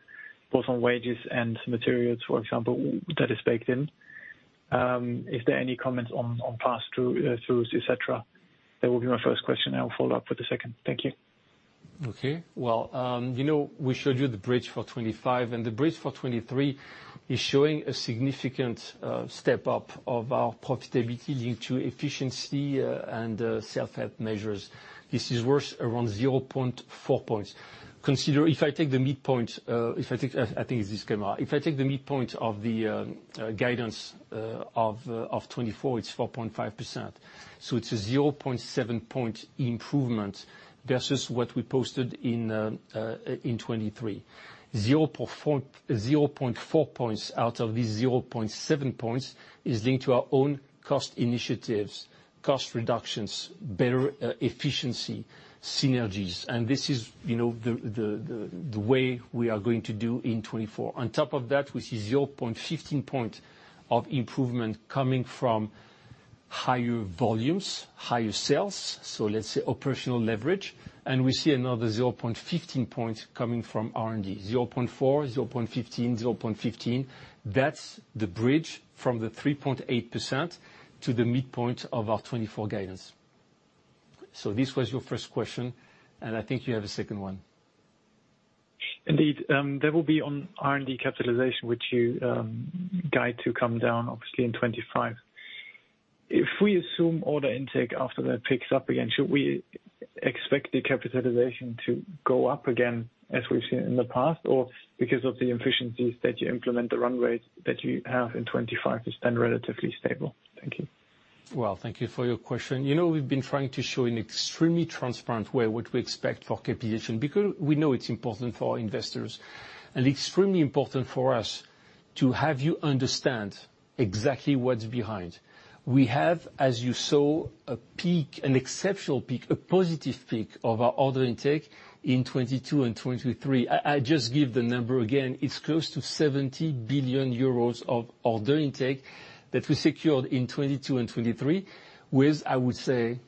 both on wages and materials, for example, that is baked in? Is there any comments on pass-throughs, etc.? That will be my first question, and I'll follow up with the second. Thank you. Okay. Well, we showed you the bridge for 2025, and the bridge for 2023 is showing a significant step up of our profitability linked to efficiency and self-help measures. This is worth around 0.4 points. Consider if I take the midpoint of the guidance of 2024; it's 4.5%. So it's a 0.7 point improvement versus what we posted in 2023. 0.4 points out of these 0.7 points is linked to our own cost initiatives, cost reductions, better efficiency, synergies. This is the way we are going to do in 2024. On top of that, we see 0.15 points of improvement coming from higher volumes, higher sales, so let's say operational leverage. And we see another 0.15 points coming from R&D: 0.4, 0.15, 0.15. That's the bridge from the 3.8% to the midpoint of our 2024 guidance. This was your first question, and I think you have a second one. Indeed. That will be on R&D capitalization, which you guide to come down, obviously, in 2025. If we assume order intake after that picks up again, should we expect the capitalization to go up again as we've seen in the past, or because of the efficiencies that you implement, the run rate that you have in 2025 is then relatively stable? Thank you. Well, thank you for your question. We've been trying to show in an extremely transparent way what we expect for capitalization because we know it's important for our investors and extremely important for us to have you understand exactly what's behind. We have, as you saw, a peak, an exceptional peak, a positive peak of our order intake in 2022 and 2023. I just gave the number again. It's close to 70 billion euros of order intake that we secured in 2022 and 2023 with, I would say,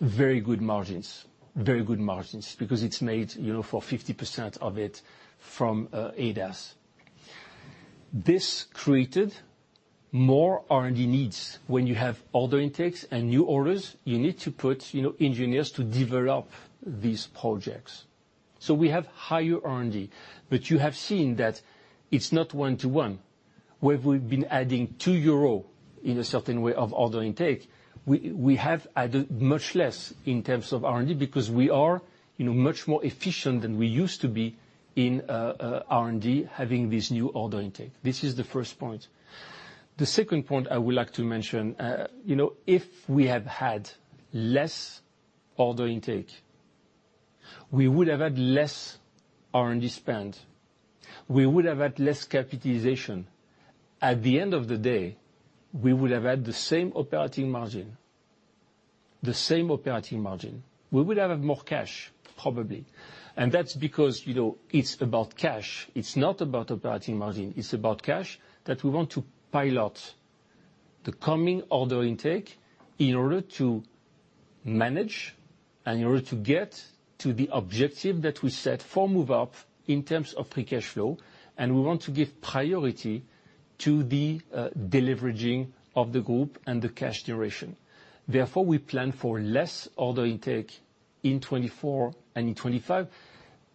very good margins, very good margins because it's made for 50% of it from ADAS. This created more R&D needs. When you have order intakes and new orders, you need to put engineers to develop these projects. So we have higher R&D, but you have seen that it's not one to one. Where we've been adding 2 euro in a certain way of order intake, we have added much less in terms of R&D because we are much more efficient than we used to be in R&D having this new order intake. This is the first point. The second point I would like to mention, if we have had less order intake, we would have had less R&D spend. We would have had less capitalization. At the end of the day, we would have had the same operating margin, the same operating margin. We would have had more cash, probably. And that's because it's about cash. It's not about operating margin. It's about cash that we want to pilot the coming order intake in order to manage and in order to get to the objective that we set for Move Up in terms of free cash flow. We want to give priority to the deleveraging of the group and the cash duration. Therefore, we plan for less order intake in 2024 and in 2025.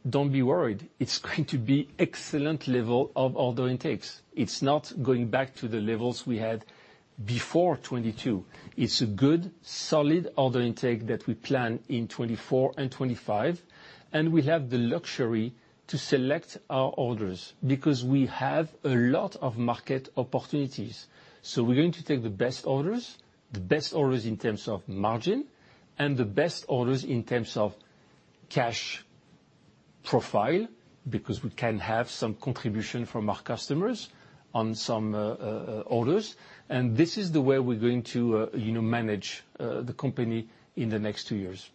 Don't be worried. It's going to be excellent level of order intakes. It's not going back to the levels we had before 2022. It's a good, solid order intake that we plan in 2024 and 2025. And we have the luxury to select our orders because we have a lot of market opportunities. So we're going to take the best orders, the best orders in terms of margin, and the best orders in terms of cash profile because we can have some contribution from our customers on some orders. And this is the way we're going to manage the company in the next two years.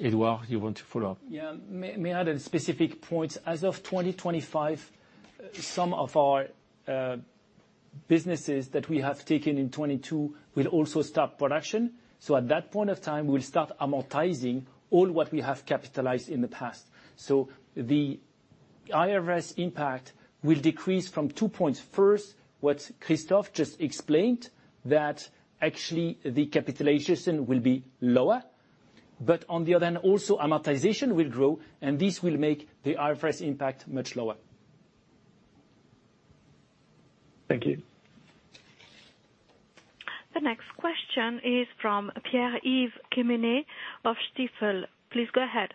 Eduardo, you want to follow up? Yeah. May I add a specific point? As of 2025, some of our businesses that we have taken in 2022 will also stop production. So at that point of time, we will start amortizing all what we have capitalized in the past. So the IFRS impact will decrease from 2 points. First, what Christoph just explained, that actually the capitalization will be lower. But on the other hand, also, amortization will grow, and this will make the IFRS impact much lower. Thank you. The next question is from Pierre-Yves Quéméner of Stifel. Please go ahead.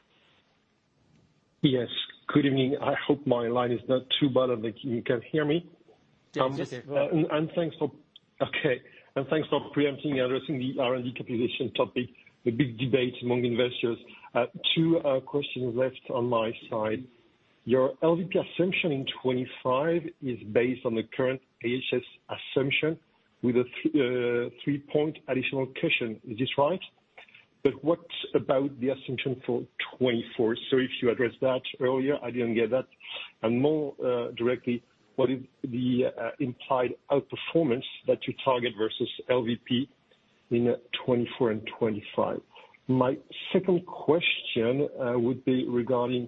Yes. Good evening. I hope my line is not too bad. You can hear me? Yes. Thanks for preempting and addressing the R&D capitalization topic, the big debate among investors. Two questions left on my side. Your LVP assumption in 2025 is based on the current IHS assumption with a 3-point additional cushion. Is this right? But what about the assumption for 2024? So if you addressed that earlier, I didn't get that. And more directly, what is the implied outperformance that you target versus LVP in 2024 and 2025? My second question would be regarding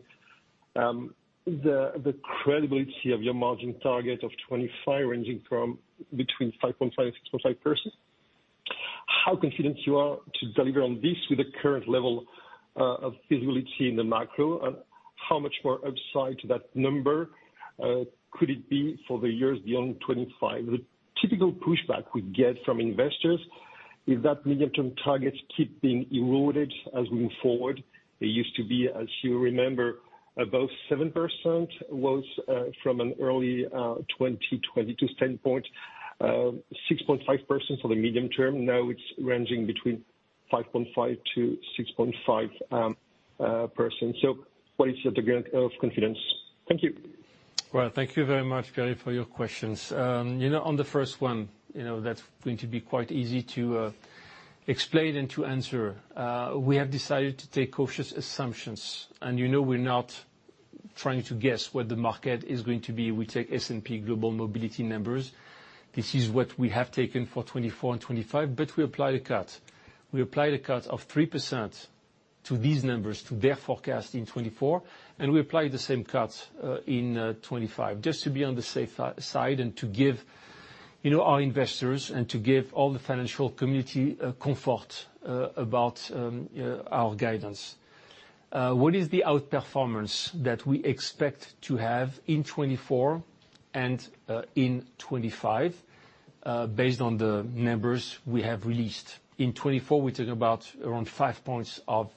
the credibility of your margin target of 2025 ranging between 5.5%-6.5%. How confident you are to deliver on this with the current level of visibility in the macro? And how much more upside to that number could it be for the years beyond 2025? The typical pushback we get from investors is that medium-term targets keep being eroded as we move forward. It used to be, as you remember, above 7%. It was from an early 2022 standpoint, 6.5% for the medium term. Now it's ranging between 5.5%-6.5%. So what is your degree of confidence? Thank you. Well, thank you very much, Pierre, for your questions. On the first one, that's going to be quite easy to explain and to answer. We have decided to take cautious assumptions, and we're not trying to guess what the market is going to be. We take S&P Global Mobility numbers. This is what we have taken for 2024 and 2025, but we apply a cut. We apply a cut of 3% to these numbers, to their forecast in 2024, and we apply the same cut in 2025 just to be on the safe side and to give our investors and to give all the financial community comfort about our guidance. What is the outperformance that we expect to have in 2024 and in 2025 based on the numbers we have released? In 2024, we're talking about around five points of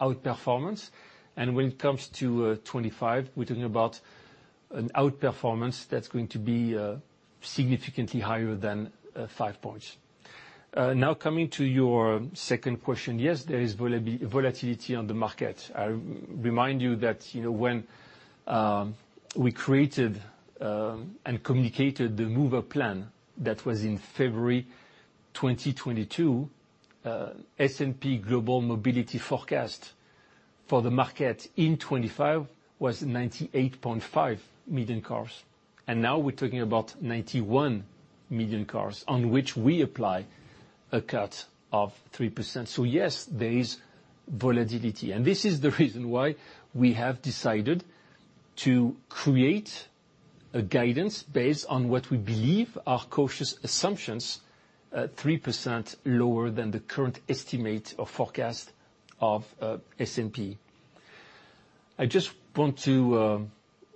outperformance. When it comes to 2025, we're talking about an outperformance that's going to be significantly higher than 5 points. Now, coming to your second question, yes, there is volatility on the market. I remind you that when we created and communicated the Move Up plan that was in February 2022, S&P Global Mobility forecast for the market in 2025 was 98.5 million cars. Now we're talking about 91 million cars on which we apply a cut of 3%. So yes, there is volatility. And this is the reason why we have decided to create a guidance based on what we believe, our cautious assumptions, 3% lower than the current estimate or forecast of S&P. I just want to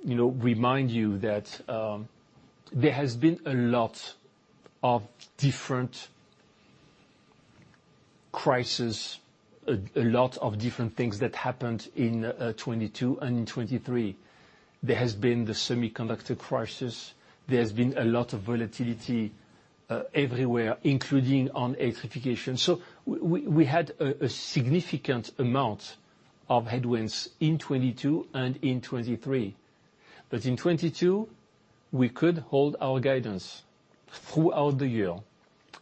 remind you that there has been a lot of different crises, a lot of different things that happened in 2022 and in 2023. There has been the semiconductor crisis. There has been a lot of volatility everywhere, including on electrification. So we had a significant amount of headwinds in 2022 and in 2023. But in 2022, we could hold our guidance throughout the year.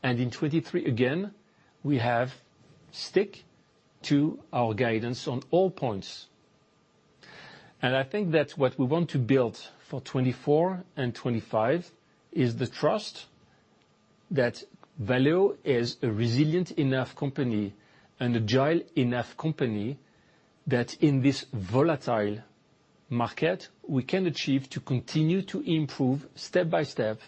And in 2023, again, we have stick to our guidance on all points. And I think that what we want to build for 2024 and 2025 is the trust that Valeo is a resilient enough company and agile enough company that in this volatile market, we can achieve to continue to improve step by step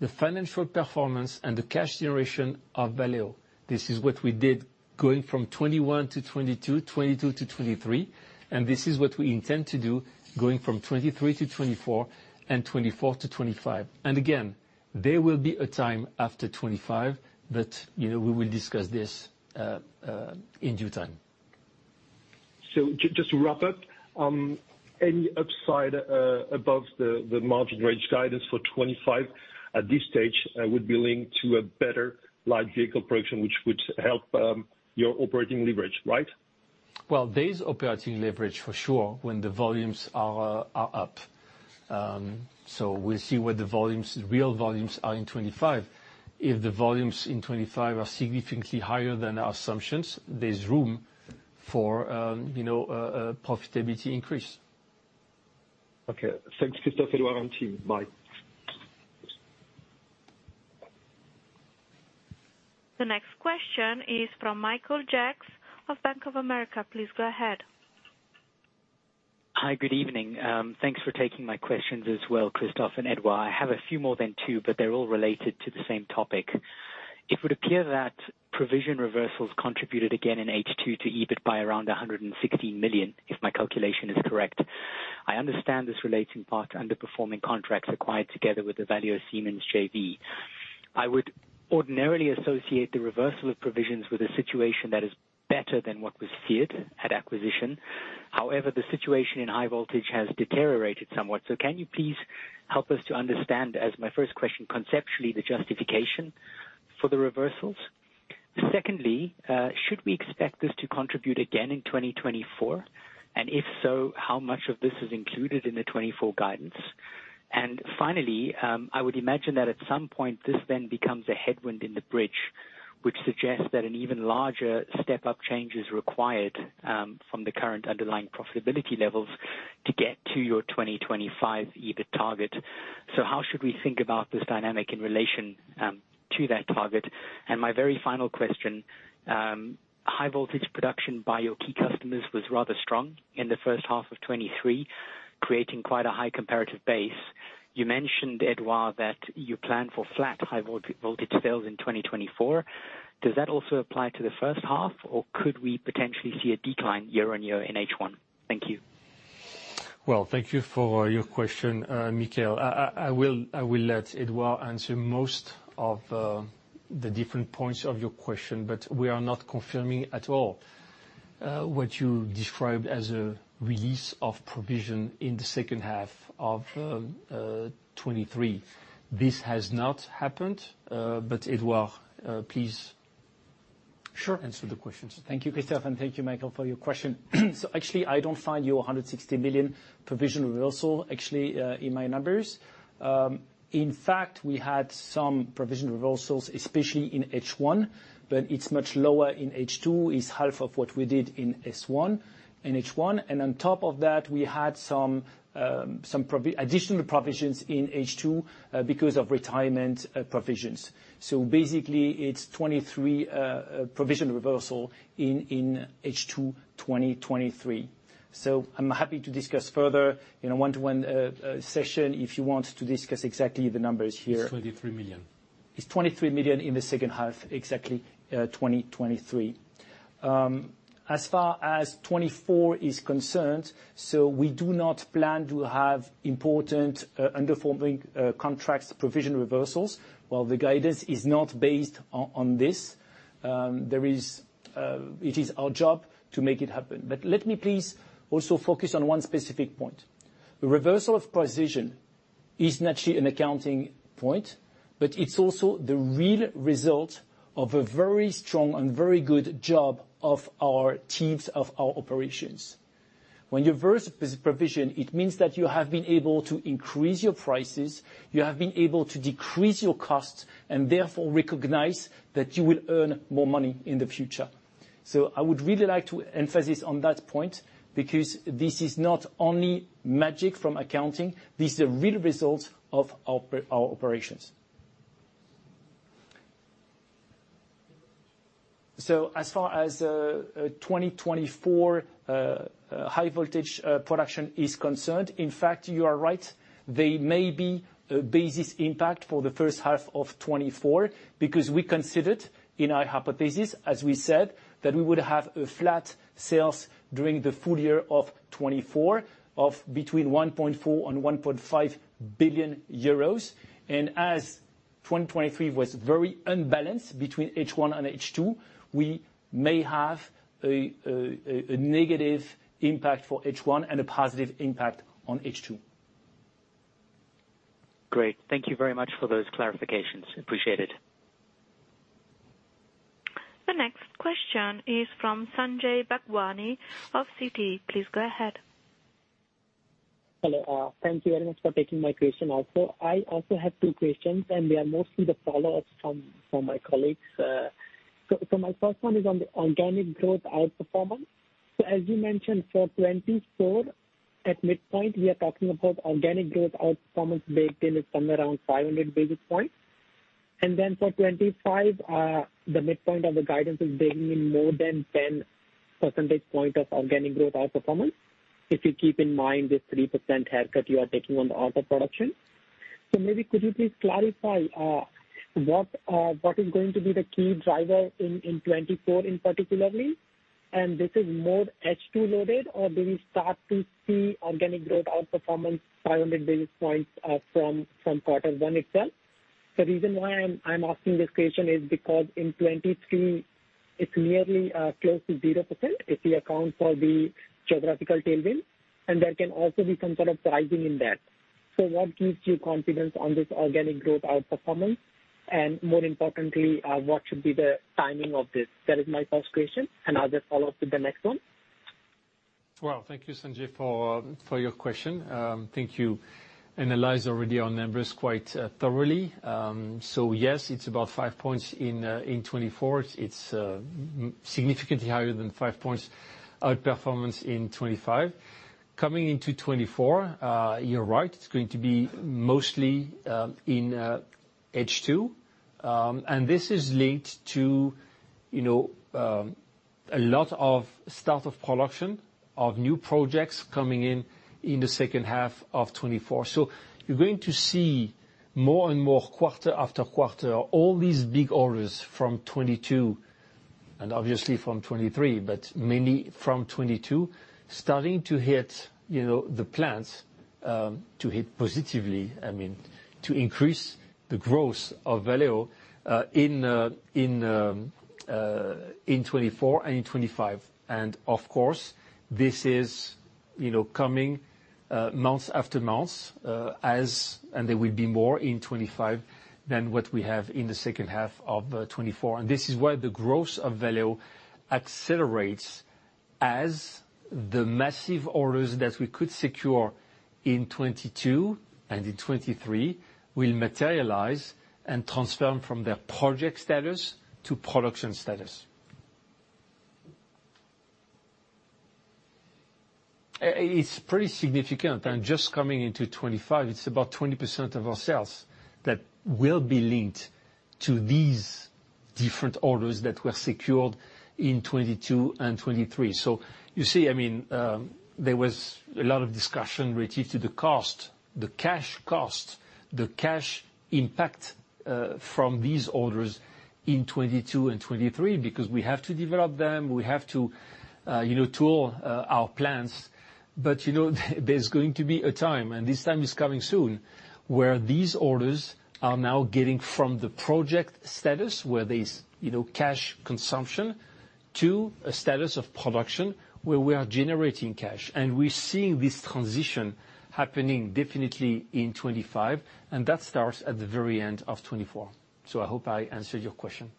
the financial performance and the cash generation of Valeo. This is what we did going from 2021 to 2022, 2022 to 2023. And this is what we intend to do going from 2023 to 2024 and 2024 to 2025. Again, there will be a time after 2025 that we will discuss this in due time. Just to wrap up, any upside above the margin range guidance for 2025 at this stage would be linked to a better light vehicle production, which would help your operating leverage, right? Well, there's operating leverage, for sure, when the volumes are up. So we'll see what the volumes, real volumes are in 2025. If the volumes in 2025 are significantly higher than our assumptions, there's room for profitability increase. Okay. Thanks, Christoph, Eduardo, and team. Bye. The next question is from Michael Jacks of Bank of America. Please go ahead. Hi. Good evening. Thanks for taking my questions as well, Christoph and Eduardo. I have a few more than two, but they're all related to the same topic. It would appear that provision reversals contributed again in 2023 to EBIT by around 116 million, if my calculation is correct. I understand this relates in part to underperforming contracts acquired together with the Valeo Siemens JV. I would ordinarily associate the reversal of provisions with a situation that is better than what was feared at acquisition. However, the situation in high voltage has deteriorated somewhat. So can you please help us to understand, as my first question, conceptually, the justification for the reversals? Secondly, should we expect this to contribute again in 2024? And if so, how much of this is included in the 2024 guidance? Finally, I would imagine that at some point, this then becomes a headwind in the bridge, which suggests that an even larger step-up change is required from the current underlying profitability levels to get to your 2025 EBIT target. So how should we think about this dynamic in relation to that target? And my very final question, high voltage production by your key customers was rather strong in the first half of 2023, creating quite a high comparative base. You mentioned, Edouard, that you plan for flat high voltage sales in 2024. Does that also apply to the first half, or could we potentially see a decline year-on-year in H1? Thank you. Well, thank you for your question, Michael. I will let Eduardo answer most of the different points of your question, but we are not confirming at all what you described as a release of provision in the second half of 2023. This has not happened. Eduardo, please answer the questions. Sure. Thank you, Christoph, and thank you, Michael, for your question. So actually, I don't find your 160 million provision reversal actually in my numbers. In fact, we had some provision reversals, especially in H1, but it's much lower in H2, is half of what we did in H1 and H1. And on top of that, we had some additional provisions in H2 because of retirement provisions. So basically, it's 23 million provision reversal in H2 2023. So I'm happy to discuss further in a one-to-one session if you want to discuss exactly the numbers here. It's 23 million. It's 23 million in the second half, exactly 2023. As far as 2024 is concerned, so we do not plan to have important underperforming contracts provision reversals. Well, the guidance is not based on this. It is our job to make it happen. But let me please also focus on one specific point. The reversal of provision is naturally an accounting point, but it's also the real result of a very strong and very good job of our teams, of our operations. When you reverse provision, it means that you have been able to increase your prices, you have been able to decrease your costs, and therefore recognize that you will earn more money in the future. So I would really like to emphasize on that point because this is not only magic from accounting. This is a real result of our operations. As far as 2024 high voltage production is concerned, in fact, you are right. There may be a basis impact for the first half of 2024 because we considered in our hypothesis, as we said, that we would have flat sales during the full year of 2024 of between 1.4 billion and 1.5 billion euros. As 2023 was very unbalanced between H1 and H2, we may have a negative impact for H1 and a positive impact on H2. Great. Thank you very much for those clarifications. Appreciate it. The next question is from Sanjay Bhagwani of Citi. Please go ahead. Hello. Thank you very much for taking my question also. I also have two questions, and they are mostly the follow-ups from my colleagues. So my first one is on the organic growth outperformance. So as you mentioned, for 2024, at midpoint, we are talking about organic growth outperformance baked in is somewhere around 500 basis points. Then for 2025, the midpoint of the guidance is baking in more than 10 percentage points of organic growth outperformance if you keep in mind this 3% haircut you are taking on the auto production. So maybe could you please clarify what is going to be the key driver in 2024 in particular? And this is more H2 loaded, or do we start to see organic growth outperformance 500 basis points from quarter one itself? The reason why I'm asking this question is because in 2023, it's nearly close to 0% if you account for the geographical tailwind, and there can also be some sort of rising in that. So what gives you confidence on this organic growth outperformance? And more importantly, what should be the timing of this? That is my first question. And I'll just follow up with the next one. Well, thank you, Sanjay, for your question. Thank you. Analyzed already our numbers quite thoroughly. So yes, it's about 5 points in 2024. It's significantly higher than 5 points outperformance in 2025. Coming into 2024, you're right. It's going to be mostly in H2. And this is linked to a lot of start of production of new projects coming in in the second half of 2024. You're going to see more and more quarter after quarter, all these big orders from 2022 and obviously from 2023, but many from 2022 starting to hit the plants to hit positively, I mean, to increase the growth of Valeo in 2024 and in 2025. And of course, this is coming months after months, and there will be more in 2025 than what we have in the second half of 2024. This is why the growth of Valeo accelerates as the massive orders that we could secure in 2022 and in 2023 will materialize and transform from their project status to production status. It's pretty significant. Just coming into 2025, it's about 20% of our sales that will be linked to these different orders that were secured in 2022 and 2023. So you see, I mean, there was a lot of discussion relative to the cost, the cash cost, the cash impact from these orders in 2022 and 2023 because we have to develop them. We have to tool our plants. But there's going to be a time, and this time is coming soon, where these orders are now getting from the project status, where there's cash consumption, to a status of production where we are generating cash. We're seeing this transition happening definitely in 2025, and that starts at the very end of 2024. I hope I answered your question.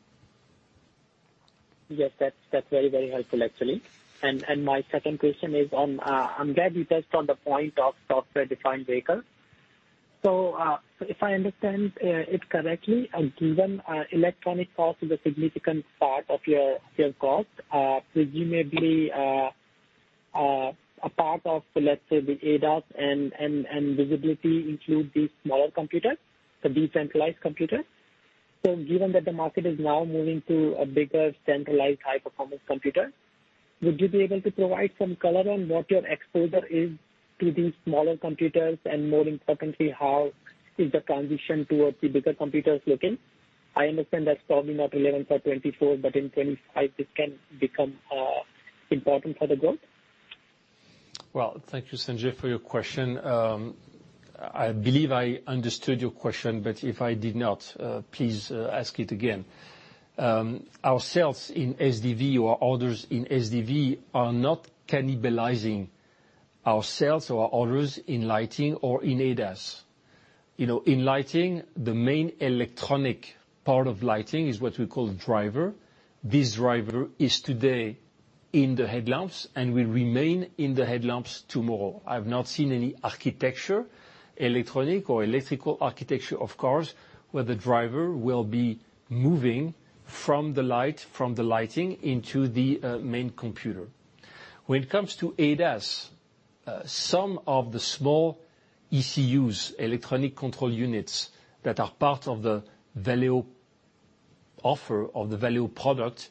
Yes, that's very, very helpful, actually. And my second question is on. I'm glad you touched on the point of software-defined vehicles. So if I understand it correctly, given electronic cost is a significant part of your cost, presumably a part of, let's say, the ADAS and visibility include these smaller computers, the decentralized computers. So given that the market is now moving to a bigger centralized high-performance computer, would you be able to provide some color on what your exposure is to these smaller computers and more importantly, how is the transition towards the bigger computers looking? I understand that's probably not relevant for 2024, but in 2025, this can become important for the growth. Well, thank you, Sanjay, for your question. I believe I understood your question, but if I did not, please ask it again. Our sales in SDV or orders in SDV are not cannibalizing our sales or our orders in lighting or in ADAS. In lighting, the main electronic part of lighting is what we call driver. This driver is today in the headlamps, and will remain in the headlamps tomorrow. I have not seen any architecture, electronic or electrical architecture, of course, where the driver will be moving from the light, from the lighting, into the main computer. When it comes to ADAS, some of the small ECUs, electronic control units that are part of the Valeo offer of the Valeo product,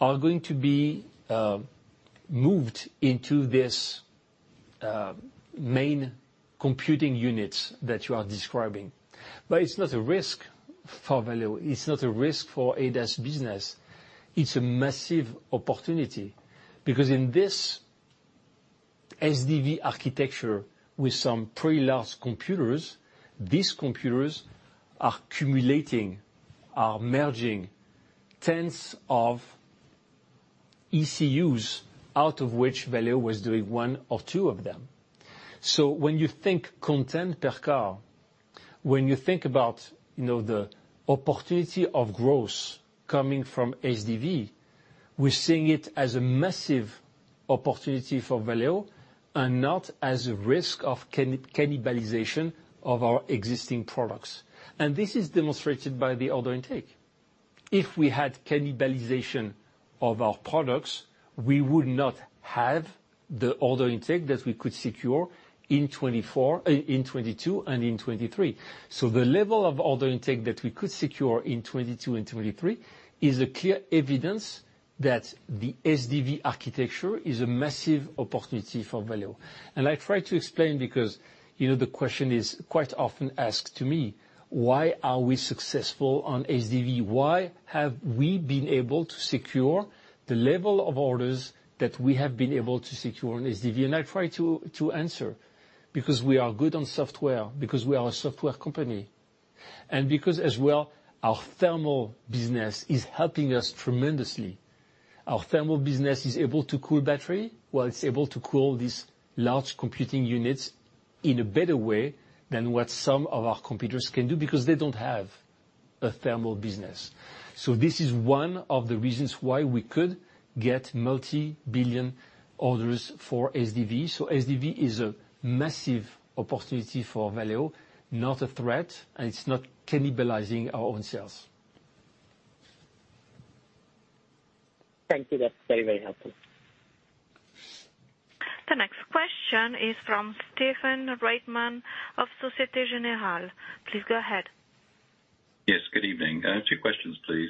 are going to be moved into these main computing units that you are describing. But it's not a risk for Valeo. It's not a risk for ADAS business. It's a massive opportunity because in this SDV architecture with some pretty large computers, these computers are accumulating, are merging tens of ECUs, out of which Valeo was doing one or two of them. So when you think content per car, when you think about the opportunity of growth coming from SDV, we're seeing it as a massive opportunity for Valeo and not as a risk of cannibalization of our existing products. This is demonstrated by the order intake. If we had cannibalization of our products, we would not have the order intake that we could secure in 2024, in 2022, and in 2023. So the level of order intake that we could secure in 2022 and 2023 is clear evidence that the SDV architecture is a massive opportunity for Valeo. I try to explain because the question is quite often asked to me, why are we successful on SDV? Why have we been able to secure the level of orders that we have been able to secure on SDV? I try to answer because we are good on software, because we are a software company, and because as well, our thermal business is helping us tremendously. Our thermal business is able to cool battery while it's able to cool these large computing units in a better way than what some of our competitors can do because they don't have a thermal business. So this is one of the reasons why we could get multi-billion orders for SDV. So SDV is a massive opportunity for Valeo, not a threat, and it's not cannibalizing our own sales. Thank you. That's very, very helpful. The next question is from Stephen Reitman of Société Générale. Please go ahead. Yes. Good evening. Two questions, please.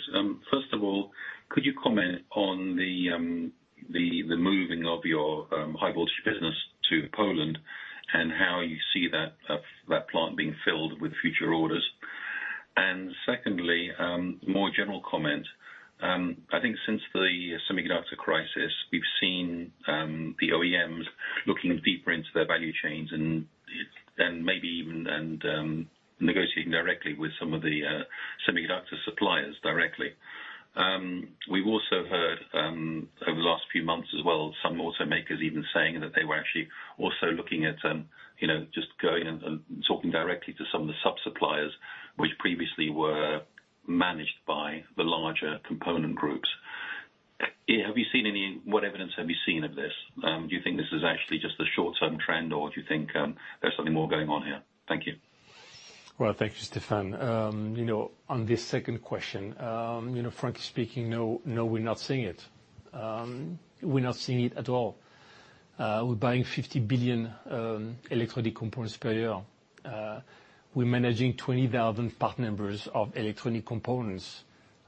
First of all, could you comment on the moving of your high-voltage business to Poland and how you see that plant being filled with future orders? And secondly, more general comment. I think since the semiconductor crisis, we've seen the OEMs looking deeper into their value chains and maybe even negotiating directly with some of the semiconductor suppliers directly. We've also heard over the last few months as well, some automakers even saying that they were actually also looking at just going and talking directly to some of the subsuppliers, which previously were managed by the larger component groups. What evidence have you seen of this? Do you think this is actually just a short-term trend, or do you think there's something more going on here? Thank you. Well, thank you, Stephen. On this second question, frankly speaking, no, we're not seeing it. We're not seeing it at all. We're buying 50 billion electronic components per year. We're managing 20,000 part numbers of electronic components.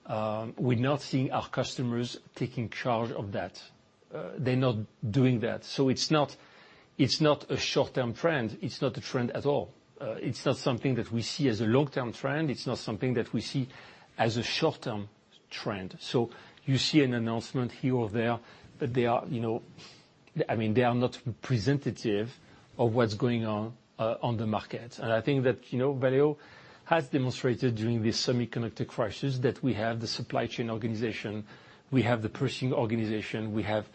We're not seeing our customers taking charge of that. They're not doing that. So it's not a short-term trend. It's not a trend at all. It's not something that we see as a long-term trend. It's not something that we see as a short-term trend. So you see an announcement here or there, but I mean, they are not representative of what's going on on the market. And I think that Valeo has demonstrated during this semiconductor crisis that we have the supply chain organization. We have the purchasing organization. We have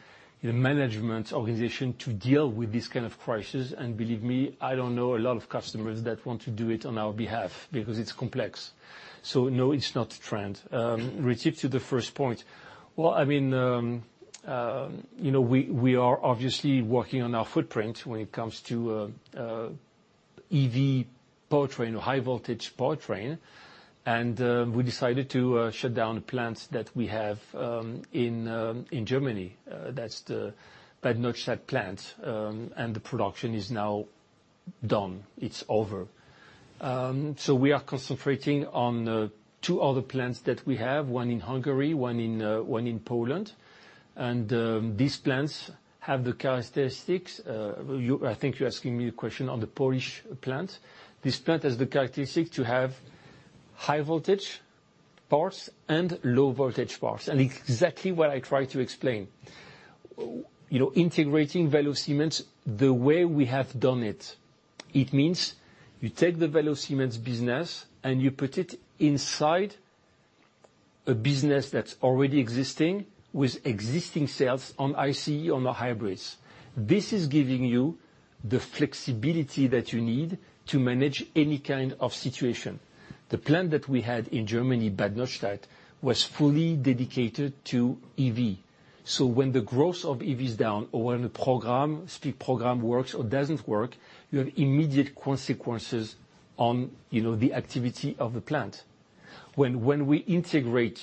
the management organization to deal with this kind of crisis. Believe me, I don't know a lot of customers that want to do it on our behalf because it's complex. So no, it's not a trend. Relative to the first point, well, I mean, we are obviously working on our footprint when it comes to EV powertrain, high-voltage powertrain. And we decided to shut down the plants that we have in Germany. That's the Bad Neustadt plant. And the production is now done. It's over. So we are concentrating on two other plants that we have, one in Hungary, one in Poland. And these plants have the characteristics I think you're asking me the question on the Polish plant. This plant has the characteristics to have high-voltage parts and low-voltage parts. And exactly what I tried to explain. Integrating Valeo Siemens the way we have done it, it means you take the Valeo Siemens business and you put it inside a business that's already existing with existing sales on ICE, on our hybrids. This is giving you the flexibility that you need to manage any kind of situation. The plant that we had in Germany, Bad Neustadt, was fully dedicated to EV. When the growth of EVs down or when the program works or doesn't work, you have immediate consequences on the activity of the plant. When we integrate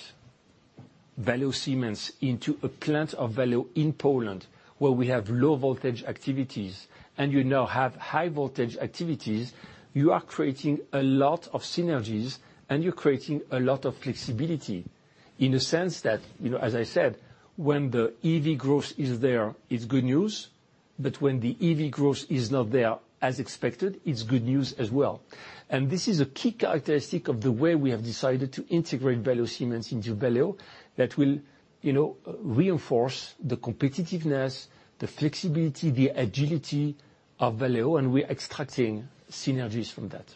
Valeo Siemens into a plant of Valeo in Poland where we have low-voltage activities and you now have high-voltage activities, you are creating a lot of synergies and you're creating a lot of flexibility in a sense that, as I said, when the EV growth is there, it's good news. But when the EV growth is not there as expected, it's good news as well. And this is a key characteristic of the way we have decided to integrate Valeo Siemens into Valeo that will reinforce the competitiveness, the flexibility, the agility of Valeo. And we're extracting synergies from that.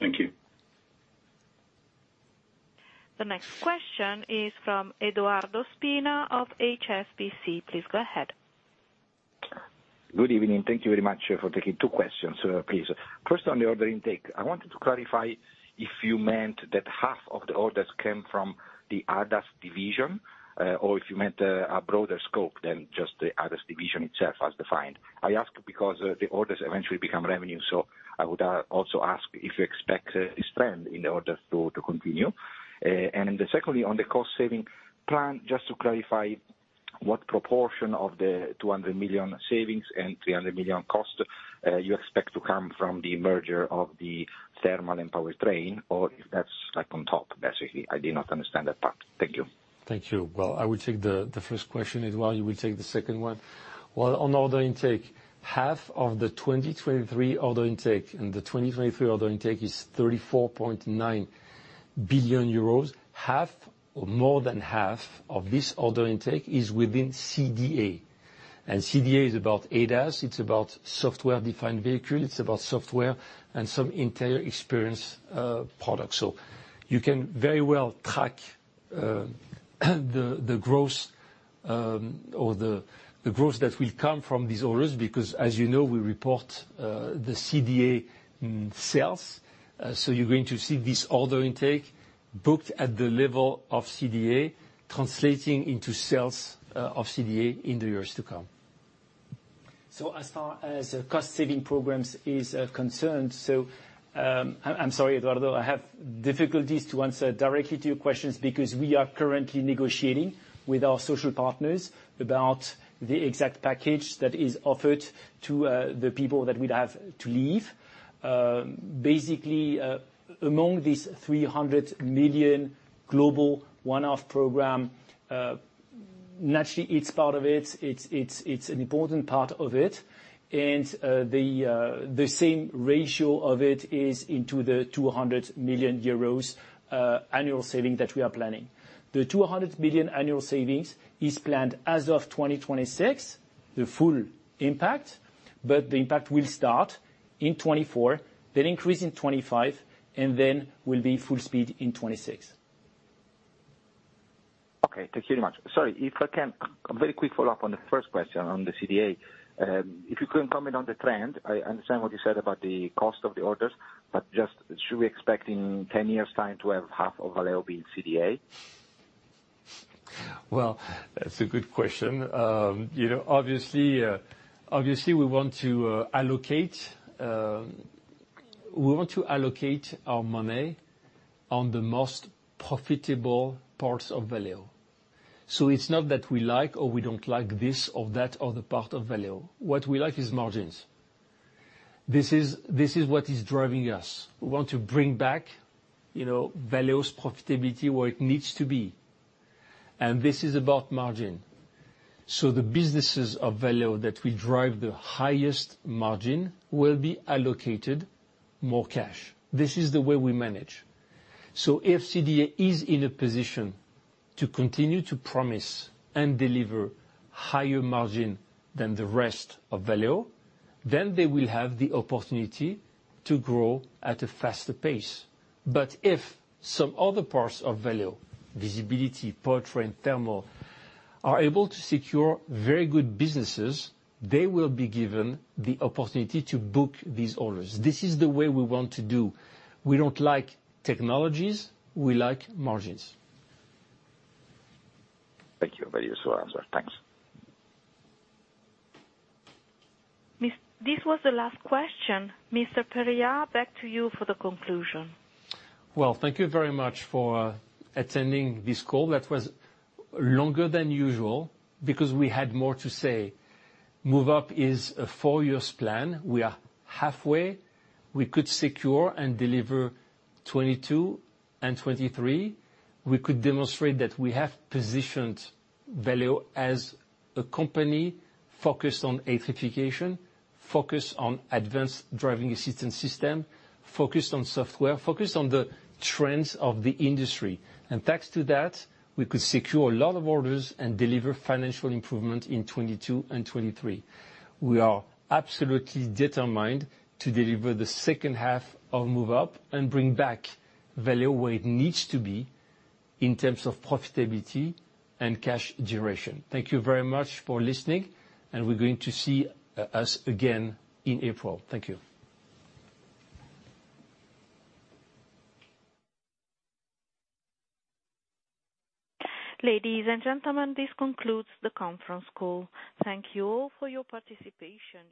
Thank you. The next question is from Eduardo Spina of HSBC. Please go ahead. Good evening. Thank you very much for taking 2 questions, please. First, on the order intake, I wanted to clarify if you meant that half of the orders came from the ADAS division or if you meant a broader scope than just the ADAS division itself as defined. I ask because the orders eventually become revenue. So I would also ask if you expect this trend in order to continue. Secondly, on the cost-saving plan, just to clarify what proportion of the 200 million savings and 300 million cost you expect to come from the merger of the thermal and powertrain or if that's on top, basically. I did not understand that part. Thank you. Thank you. Well, I would take the first question, Eduardo. You will take the second one. Well, on order intake, half of the 2023 order intake and the 2023 order intake is 34.9 billion euros. Half or more than half of this order intake is within CDA. And CDA is about ADAS. It's about software-defined vehicle. It's about software and some interior experience products. So you can very well track the growth or the growth that will come from these orders because, as you know, we report the CDA sales. So you're going to see this order intake booked at the level of CDA, translating into sales of CDA in the years to come. As far as cost-saving programs is concerned, I'm sorry, Eduardo. I have difficulties to answer directly to your questions because we are currently negotiating with our social partners about the exact package that is offered to the people that would have to leave. Basically, among these 300 million global one-off program, naturally, it's part of it. It's an important part of it. And the same ratio of it is into the 200 million euros annual saving that we are planning. The 200 million annual savings is planned as of 2026, the full impact, but the impact will start in 2024, then increase in 2025, and then will be full speed in 2026. Okay. Thank you very much. Sorry, if I can a very quick follow-up on the first question on the CDA. If you can comment on the trend, I understand what you said about the cost of the orders, but just should we expect in 10 years' time to have half of Valeo being CDA? Well, that's a good question. Obviously, we want to allocate our money on the most profitable parts of Valeo. So it's not that we like or we don't like this or that or the part of Valeo. What we like is margins. This is what is driving us. We want to bring back Valeo's profitability where it needs to be. And this is about margin. So the businesses of Valeo that will drive the highest margin will be allocated more cash. This is the way we manage. So if CDA is in a position to continue to promise and deliver higher margin than the rest of Valeo, then they will have the opportunity to grow at a faster pace. But if some other parts of Valeo, Visibility, Powertrain, Thermal, are able to secure very good businesses, they will be given the opportunity to book these orders. This is the way we want to do. We don't like technologies. We like margins. Thank you. Valeo is to answer. Thanks. This was the last question. Mr. Périllat, back to you for the conclusion. Well, thank you very much for attending this call. That was longer than usual because we had more to say. Move Up is a four-year plan. We are halfway. We could secure and deliver 2022 and 2023. We could demonstrate that we have positioned Valeo as a company focused on electrification, focused on advanced driving assistance system, focused on software, focused on the trends of the industry. And thanks to that, we could secure a lot of orders and deliver financial improvement in 2022 and 2023. We are absolutely determined to deliver the second half of Move Up and bring back Valeo where it needs to be in terms of profitability and cash generation. Thank you very much for listening, and we're going to see us again in April. Thank you. Ladies and gentlemen, this concludes the conference call. Thank you all for your participation.